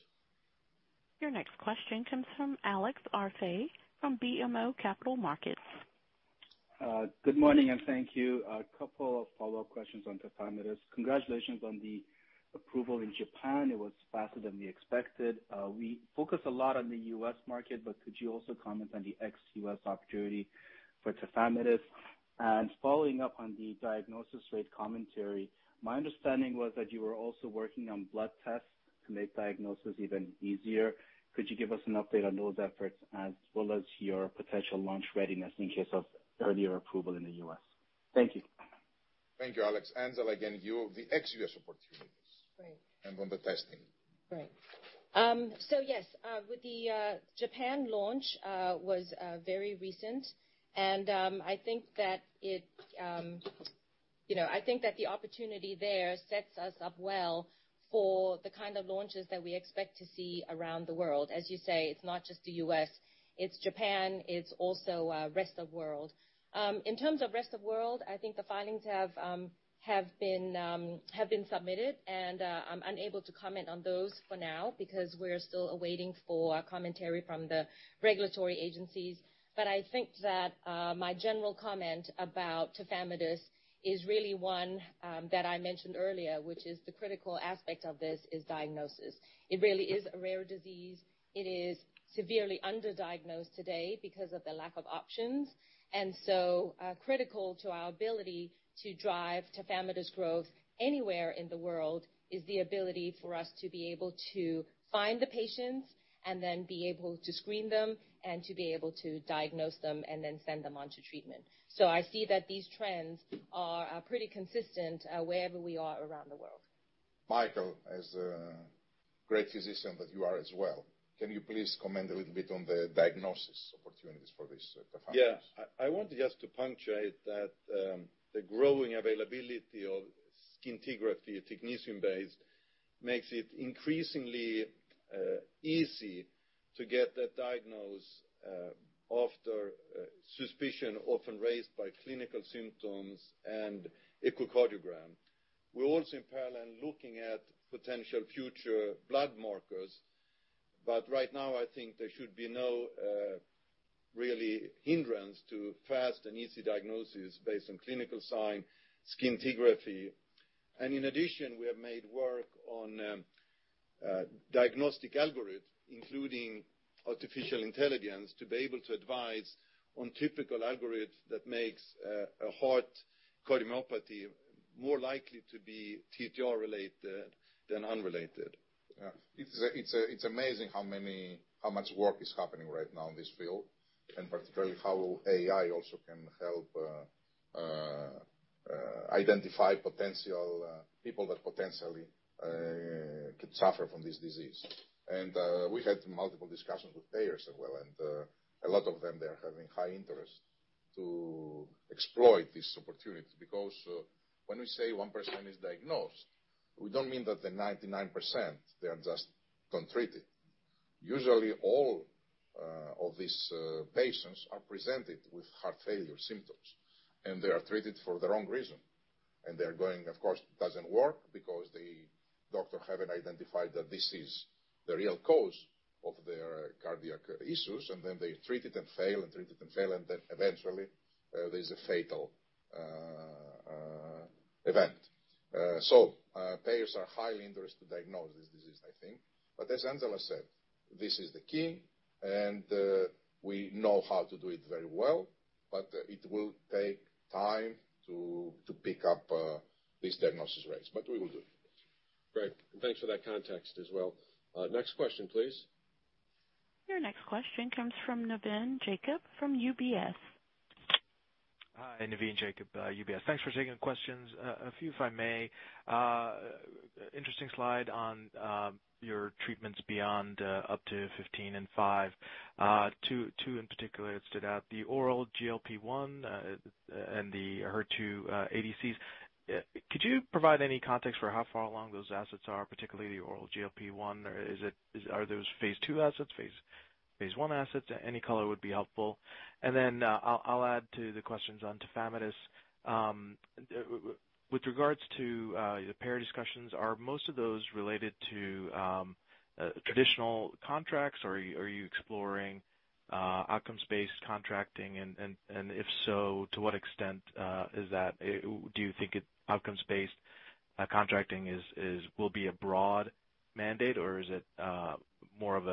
Your next question comes from Alex Arfaei from BMO Capital Markets. Good morning. Thank you. A couple of follow-up questions on tafamidis. Congratulations on the approval in Japan. It was faster than we expected. We focus a lot on the U.S. market, but could you also comment on the ex-U.S. opportunity for tafamidis? Following up on the diagnosis rate commentary, my understanding was that you were also working on blood tests to make diagnosis even easier. Could you give us an update on those efforts as well as your potential launch readiness in case of earlier approval in the U.S.? Thank you. Thank you, Alex. Angela, again, you have the ex-U.S. opportunities- Great. And on the testing. Great. Yes, with the Japan launch was very recent and I think that the opportunity there sets us up well for the kind of launches that we expect to see around the world. As you say, it's not just the U.S.. It's Japan, it's also rest of world. In terms of rest of world, I think the filings have been submitted, and I'm unable to comment on those for now because we're still awaiting for commentary from the regulatory agencies. I think that my general comment about tafamidis is really one that I mentioned earlier, which is the critical aspect of this is diagnosis. It really is a rare disease. It is severely under-diagnosed today because of the lack of options. Critical to our ability to drive tafamidis growth anywhere in the world is the ability for us to be able to find the patients and then be able to screen them and to be able to diagnose them and then send them on to treatment. I see that these trends are pretty consistent wherever we are around the world. Mikael, as a great physician that you are as well, can you please comment a little bit on the diagnosis opportunities for this tafamidis? Yeah. I want just to punctuate that the growing availability of scintigraphy, technetium-based, makes it increasingly easy to get that diagnosed after suspicion often raised by clinical symptoms and echocardiogram. We're also in parallel looking at potential future blood markers. Right now, I think there should be no really hindrance to fast and easy diagnosis based on clinical sign scintigraphy. In addition, we have made work on diagnostic algorithms, including artificial intelligence, to be able to advise on typical algorithms that makes a heart cardiomyopathy more likely to be TTR-related than unrelated. Yeah. It's amazing how much work is happening right now in this field, particularly how AI also can help identify potential people that potentially could suffer from this disease. We had multiple discussions with payers as well, and a lot of them they are having high interest to exploit this opportunity. When we say 1% is diagnosed, we don't mean that the 99%, they are just untreated. Usually, all of these patients are presented with heart failure symptoms, and they are treated for the wrong reason. They're going, of course, doesn't work because the doctor haven't identified that this is the real cause of their cardiac issues. Then they treat it and fail, and treat it and fail, and then eventually, there's a fatal event. Payers are highly interested to diagnose this disease, I think. As Angela said, this is the key and we know how to do it very well, but it will take time to pick up these diagnosis rates, but we will do it. Great. Thanks for that context as well. Next question, please. Your next question comes from Navin Jacob from UBS. Hi. Navin Jacob, UBS. Thanks for taking the questions. A few, if I may. Interesting slide on your treatments beyond up to 15 in five. Two in particular that stood out, the oral GLP-1, and the HER2 ADCs. Could you provide any context for how far along those assets are, particularly the oral GLP-1? Are those phase II assets, phase I assets? Any color would be helpful. Then I'll add to the questions on tafamidis. With regards to the payer discussions, are most of those related to traditional contracts or are you exploring outcomes-based contracting, and if so, to what extent is that? Do you think outcomes-based contracting will be a broad mandate or is it more of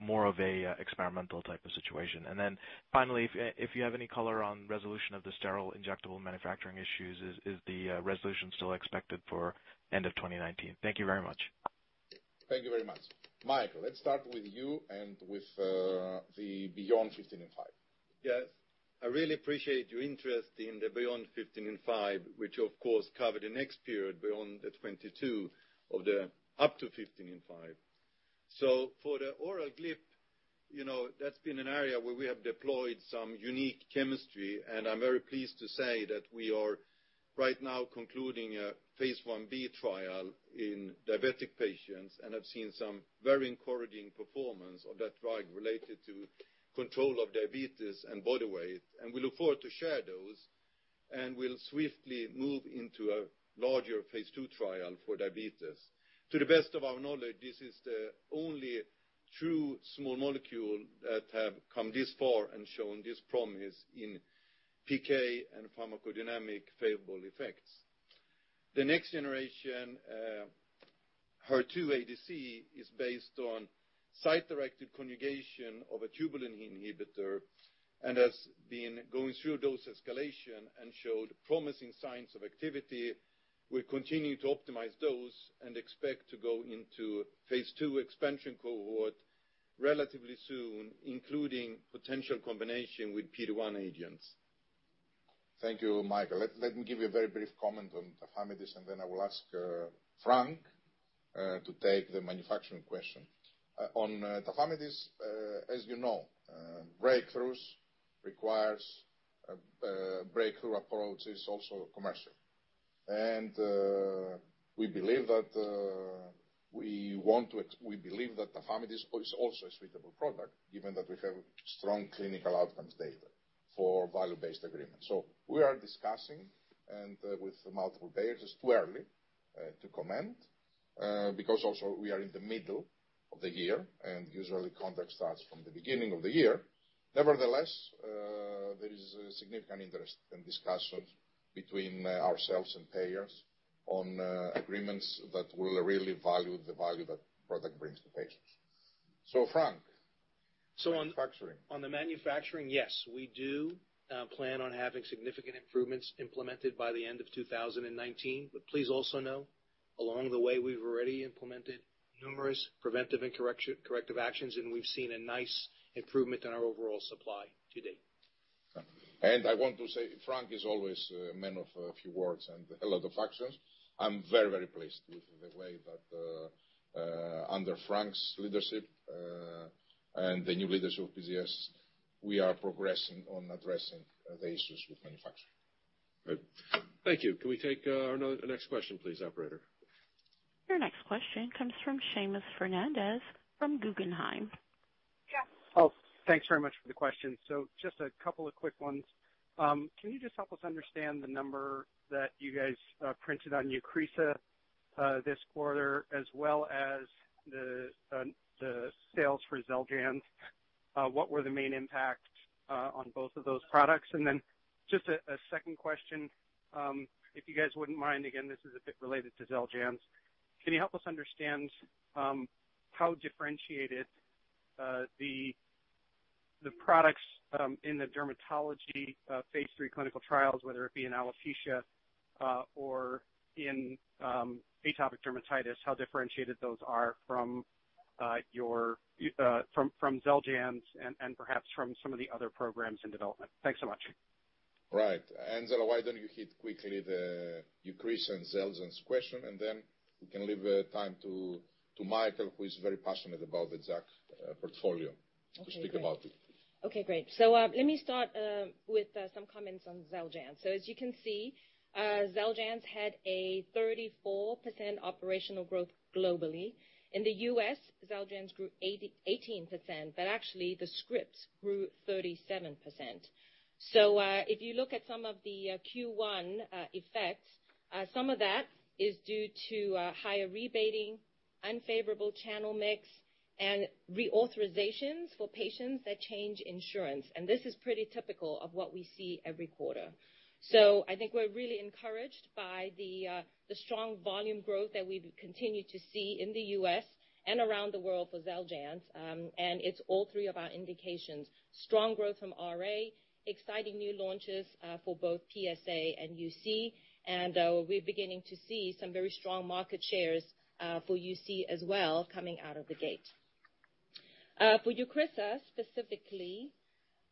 an experimental type of situation? Then finally, if you have any color on resolution of the sterile injectable manufacturing issues, is the resolution still expected for end of 2019? Thank you very much. Thank you very much. Mikael, let's start with you and with the beyond 15 in five. Yes. I really appreciate your interest in the beyond 15 in five, which of course covered the next period beyond the 2022 of the up to 15 in five. For the oral GLP, that's been an area where we have deployed some unique chemistry, and I'm very pleased to say that we are right now concluding a phase I-B trial in diabetic patients and have seen some very encouraging performance of that drug related to control of diabetes and body weight. We look forward to share those, and we'll swiftly move into a larger phase II trial for diabetes. To the best of our knowledge, this is the only true small molecule that have come this far and shown this promise in PK and pharmacodynamic favorable effects. The next generation, HER2 ADC, is based on site-directed conjugation of a tubulin inhibitor and has been going through dose escalation and showed promising signs of activity. We continue to optimize dose and expect to go into phase II expansion cohort relatively soon, including potential combination with PD-1 agents. Thank you, Mikael. Let me give you a very brief comment on tafamidis, and then I will ask Frank to take the manufacturing question. On tafamidis, as you know, Breakthroughs requires a breakthrough approach is also commercial. We believe that tafamidis is also a suitable product, given that we have strong clinical outcomes data for value-based agreement. We are discussing and with multiple payers. It's too early to comment, because also we are in the middle of the year and usually contract starts from the beginning of the year. Nevertheless, there is a significant interest and discussions between ourselves and payers on agreements that will really value the value that product brings to patients. Frank, manufacturing. On the manufacturing, yes, we do plan on having significant improvements implemented by the end of 2019. Please also know along the way, we've already implemented numerous preventive and corrective actions, and we've seen a nice improvement in our overall supply to date. I want to say, Frank is always a man of a few words and a lot of actions. I'm very, very pleased with the way that under Frank's leadership, and the new leadership of PGS, we are progressing on addressing the issues with manufacturing. Great. Thank you. Can we take our next question please, operator? Your next question comes from Seamus Fernandez from Guggenheim. Thanks very much for the question. Just a couple of quick ones. Can you just help us understand the number that you guys printed on EUCRISA this quarter as well as the sales for XELJANZ? What were the main impacts on both of those products? A second question, if you guys wouldn't mind. Again, this is a bit related to XELJANZ. Can you help us understand how differentiated the products in the dermatology phase III clinical trials, whether it be in alopecia or in atopic dermatitis, how differentiated those are from XELJANZ and perhaps from some of the other programs in development? Thanks so much. Right. Angela, why don't you hit quickly the EUCRISA and XELJANZ question, then we can leave time to Mikael, who is very passionate about the JAK portfolio to speak about it. Okay, great. Let me start with some comments on XELJANZ. As you can see, XELJANZ had a 34% operational growth globally. In the U.S., XELJANZ grew 18%, actually the scripts grew 37%. If you look at some of the Q1 effects, some of that is due to higher rebating, unfavorable channel mix, and reauthorizations for patients that change insurance. This is pretty typical of what we see every quarter. I think we're really encouraged by the strong volume growth that we continue to see in the U.S. and around the world for XELJANZ. It's all three of our indications. Strong growth from RA, exciting new launches for both PsA and UC, and we're beginning to see some very strong market shares for UC as well coming out of the gate. For EUCRISA specifically,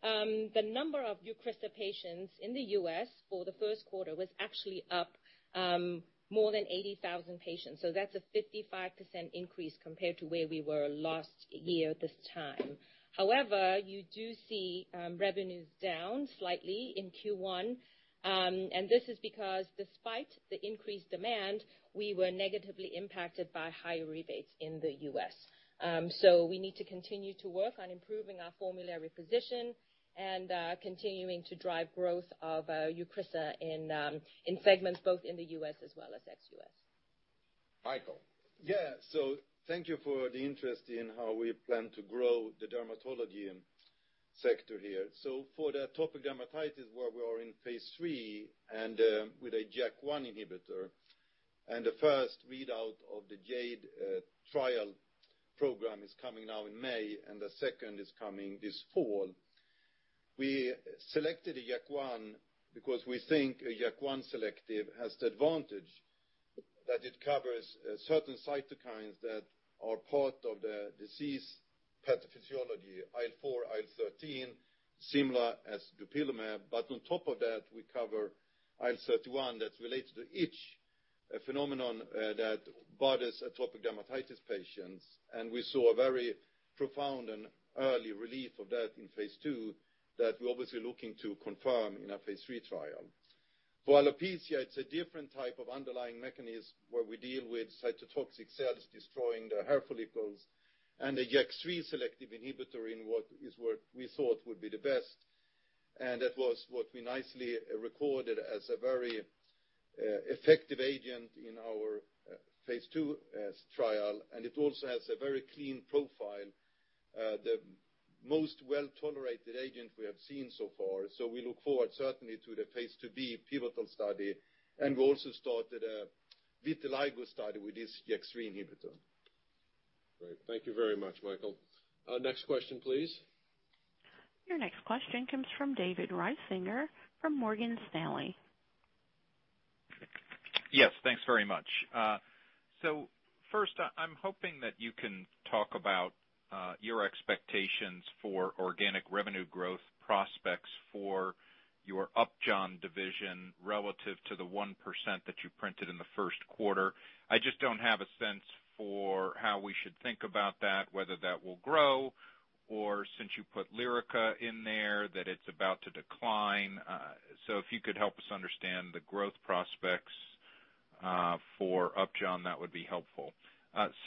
the number of EUCRISA patients in the U.S. for the first quarter was actually up more than 80,000 patients. That's a 55% increase compared to where we were last year this time. However, you do see revenues down slightly in Q1. This is because despite the increased demand, we were negatively impacted by higher rebates in the U.S. We need to continue to work on improving our formulary position and continuing to drive growth of EUCRISA in segments both in the U.S. as well as ex-U.S. Mikael. Thank you for the interest in how we plan to grow the dermatology sector here. For the atopic dermatitis, where we are in phase III and with a JAK1 inhibitor, the first readout of the JADE trial program is coming now in May, the second is coming this fall. We selected a JAK1 because we think a JAK1 selective has the advantage that it covers certain cytokines that are part of the disease pathophysiology, IL-4, IL-13, similar as dupilumab. On top of that, we cover IL-31 that's related to itch, a phenomenon that bothers atopic dermatitis patients. We saw a very profound and early relief of that in phase II that we're obviously looking to confirm in our phase III trial. For alopecia, it's a different type of underlying mechanism where we deal with cytotoxic cells destroying the hair follicles, a JAK3 selective inhibitor in what is what we thought would be the best. That was what we nicely recorded as a very effective agent in our phase II trial, it also has a very clean profile, the most well-tolerated agent we have seen so far. We look forward certainly to the phase II-B pivotal study, we also started a vitiligo study with this JAK3 inhibitor. Great. Thank you very much, Mikael. Next question, please. Your next question comes from David Risinger from Morgan Stanley. Yes, thanks very much. First, I'm hoping that you can talk about your expectations for organic revenue growth prospects for your Upjohn division relative to the 1% that you printed in the first quarter. I just don't have a sense for how we should think about that, whether that will grow or since you put LYRICA in there, that it's about to decline. If you could help us understand the growth prospects for Upjohn, that would be helpful.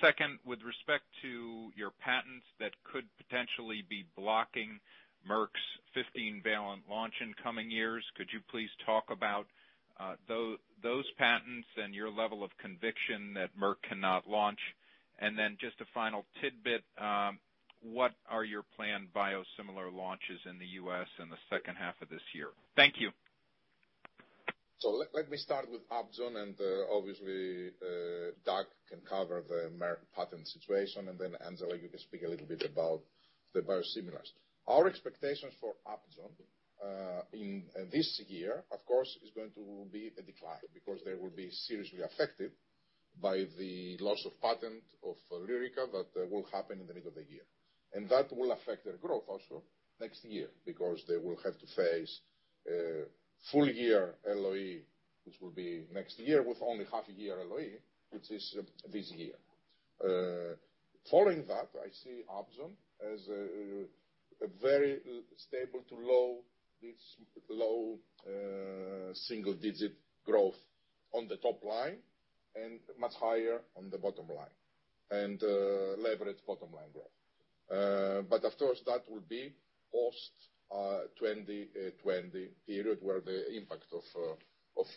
Second, with respect to your patents that could potentially be blocking Merck's 15-valent launch in coming years, could you please talk about those patents and your level of conviction that Merck cannot launch? Just a final tidbit, what are your planned biosimilar launches in the U.S. in the second half of this year? Thank you. Let me start with Upjohn and obviously, Doug can cover the Merck patent situation, and Angela, you can speak a little bit about the biosimilars. Our expectations for Upjohn in this year, of course, is going to be a decline because they will be seriously affected by the loss of patent of LYRICA that will happen in the middle of the year. That will affect their growth also next year because they will have to face a full-year LOE, which will be next year with only half a year LOE, which is this year. Following that, I see Upjohn as a very stable to low, single-digit growth on the top line and much higher on the bottom line, and levered bottom line growth. Of course, that will be post-2020 period where the impact of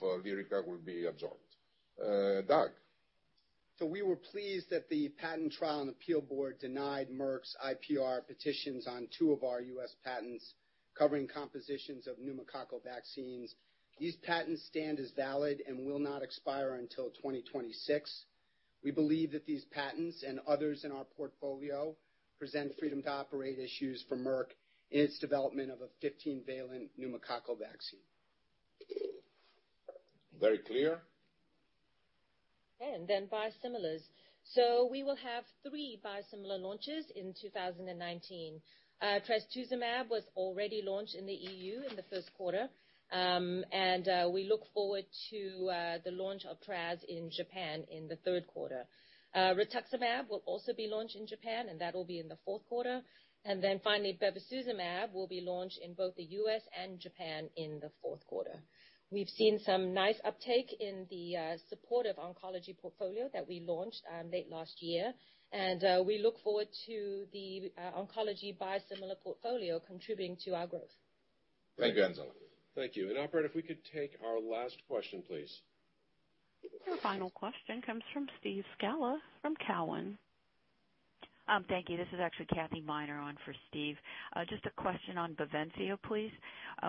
LYRICA will be absorbed. Doug? We were pleased that the patent trial and appeal board denied Merck's IPR petitions on two of our U.S. patents covering compositions of pneumococcal vaccines. These patents stand as valid and will not expire until 2026. We believe that these patents and others in our portfolio present freedom to operate issues for Merck in its development of a 15-valent pneumococcal vaccine. Very clear. Okay, biosimilars. We will have three biosimilar launches in 2019. trastuzumab was already launched in the EU in the first quarter. We look forward to the launch of TRAZIMERA in Japan in the third quarter. rituximab will also be launched in Japan, and that will be in the fourth quarter. Finally, bevacizumab will be launched in both the U.S. and Japan in the fourth quarter. We've seen some nice uptake in the supportive oncology portfolio that we launched late last year, and we look forward to the oncology biosimilar portfolio contributing to our growth. Thank you, Angela. Thank you. Operator, if we could take our last question, please. Our final question comes from Steve Scala from Cowen. Thank you. This is actually Kathy Miner on for Steve. Just a question on BAVENCIO, please.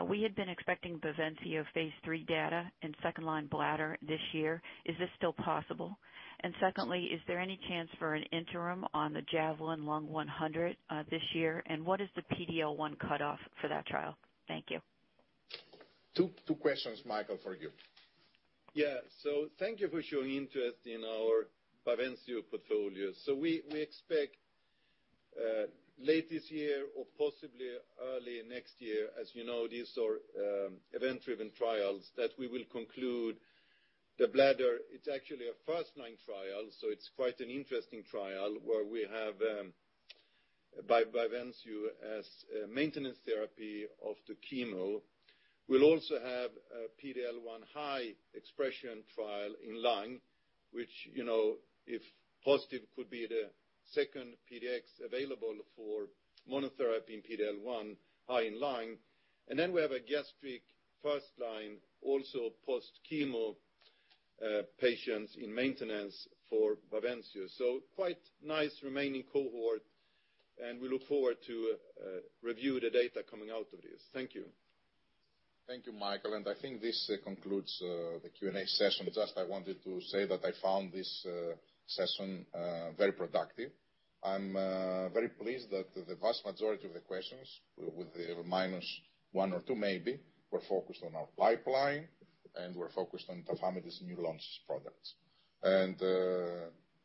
We had been expecting BAVENCIO phase III data in second-line bladder this year. Is this still possible? Secondly, is there any chance for an interim on the JAVELIN Lung 100 this year? What is the PD-L1 cutoff for that trial? Thank you. Two questions, Mikael, for you. Thank you for showing interest in our BAVENCIO portfolio. We expect late this year or possibly early next year, as you know, these are event-driven trials that we will conclude the bladder. It is actually a first-line trial, so it is quite an interesting trial where we have, by BAVENCIO as a maintenance therapy of the chemo. We will also have a PD-L1 high expression trial in lung, which if positive, could be the second PD-1 available for monotherapy in PD-L1 high in lung. Then we have a gastric first line, also post-chemo patients in maintenance for BAVENCIO. Quite nice remaining cohort, and we look forward to review the data coming out of this. Thank you. Thank you, Mikael. I think this concludes the Q&A session. Just I wanted to say that I found this session very productive. I'm very pleased that the vast majority of the questions, with the minus one or two maybe, were focused on our pipeline and were focused on tafamidis new launch products.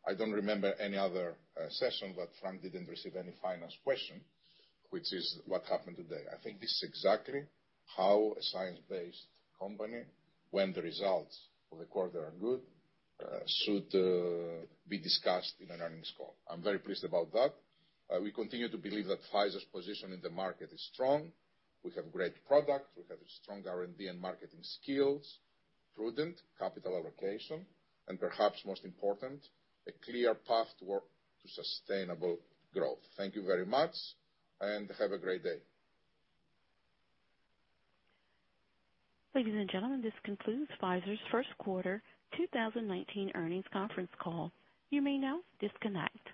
I don't remember any other session where Frank didn't receive any finance question, which is what happened today. This is exactly how a science-based company, when the results for the quarter are good, should be discussed in an earnings call. I'm very pleased about that. We continue to believe that Pfizer's position in the market is strong. We have great products. We have strong R&D and marketing skills, prudent capital allocation, perhaps most important, a clear path toward sustainable growth. Thank you very much. Have a great day. Ladies and gentlemen, this concludes Pfizer's first quarter 2019 earnings conference call. You may now disconnect.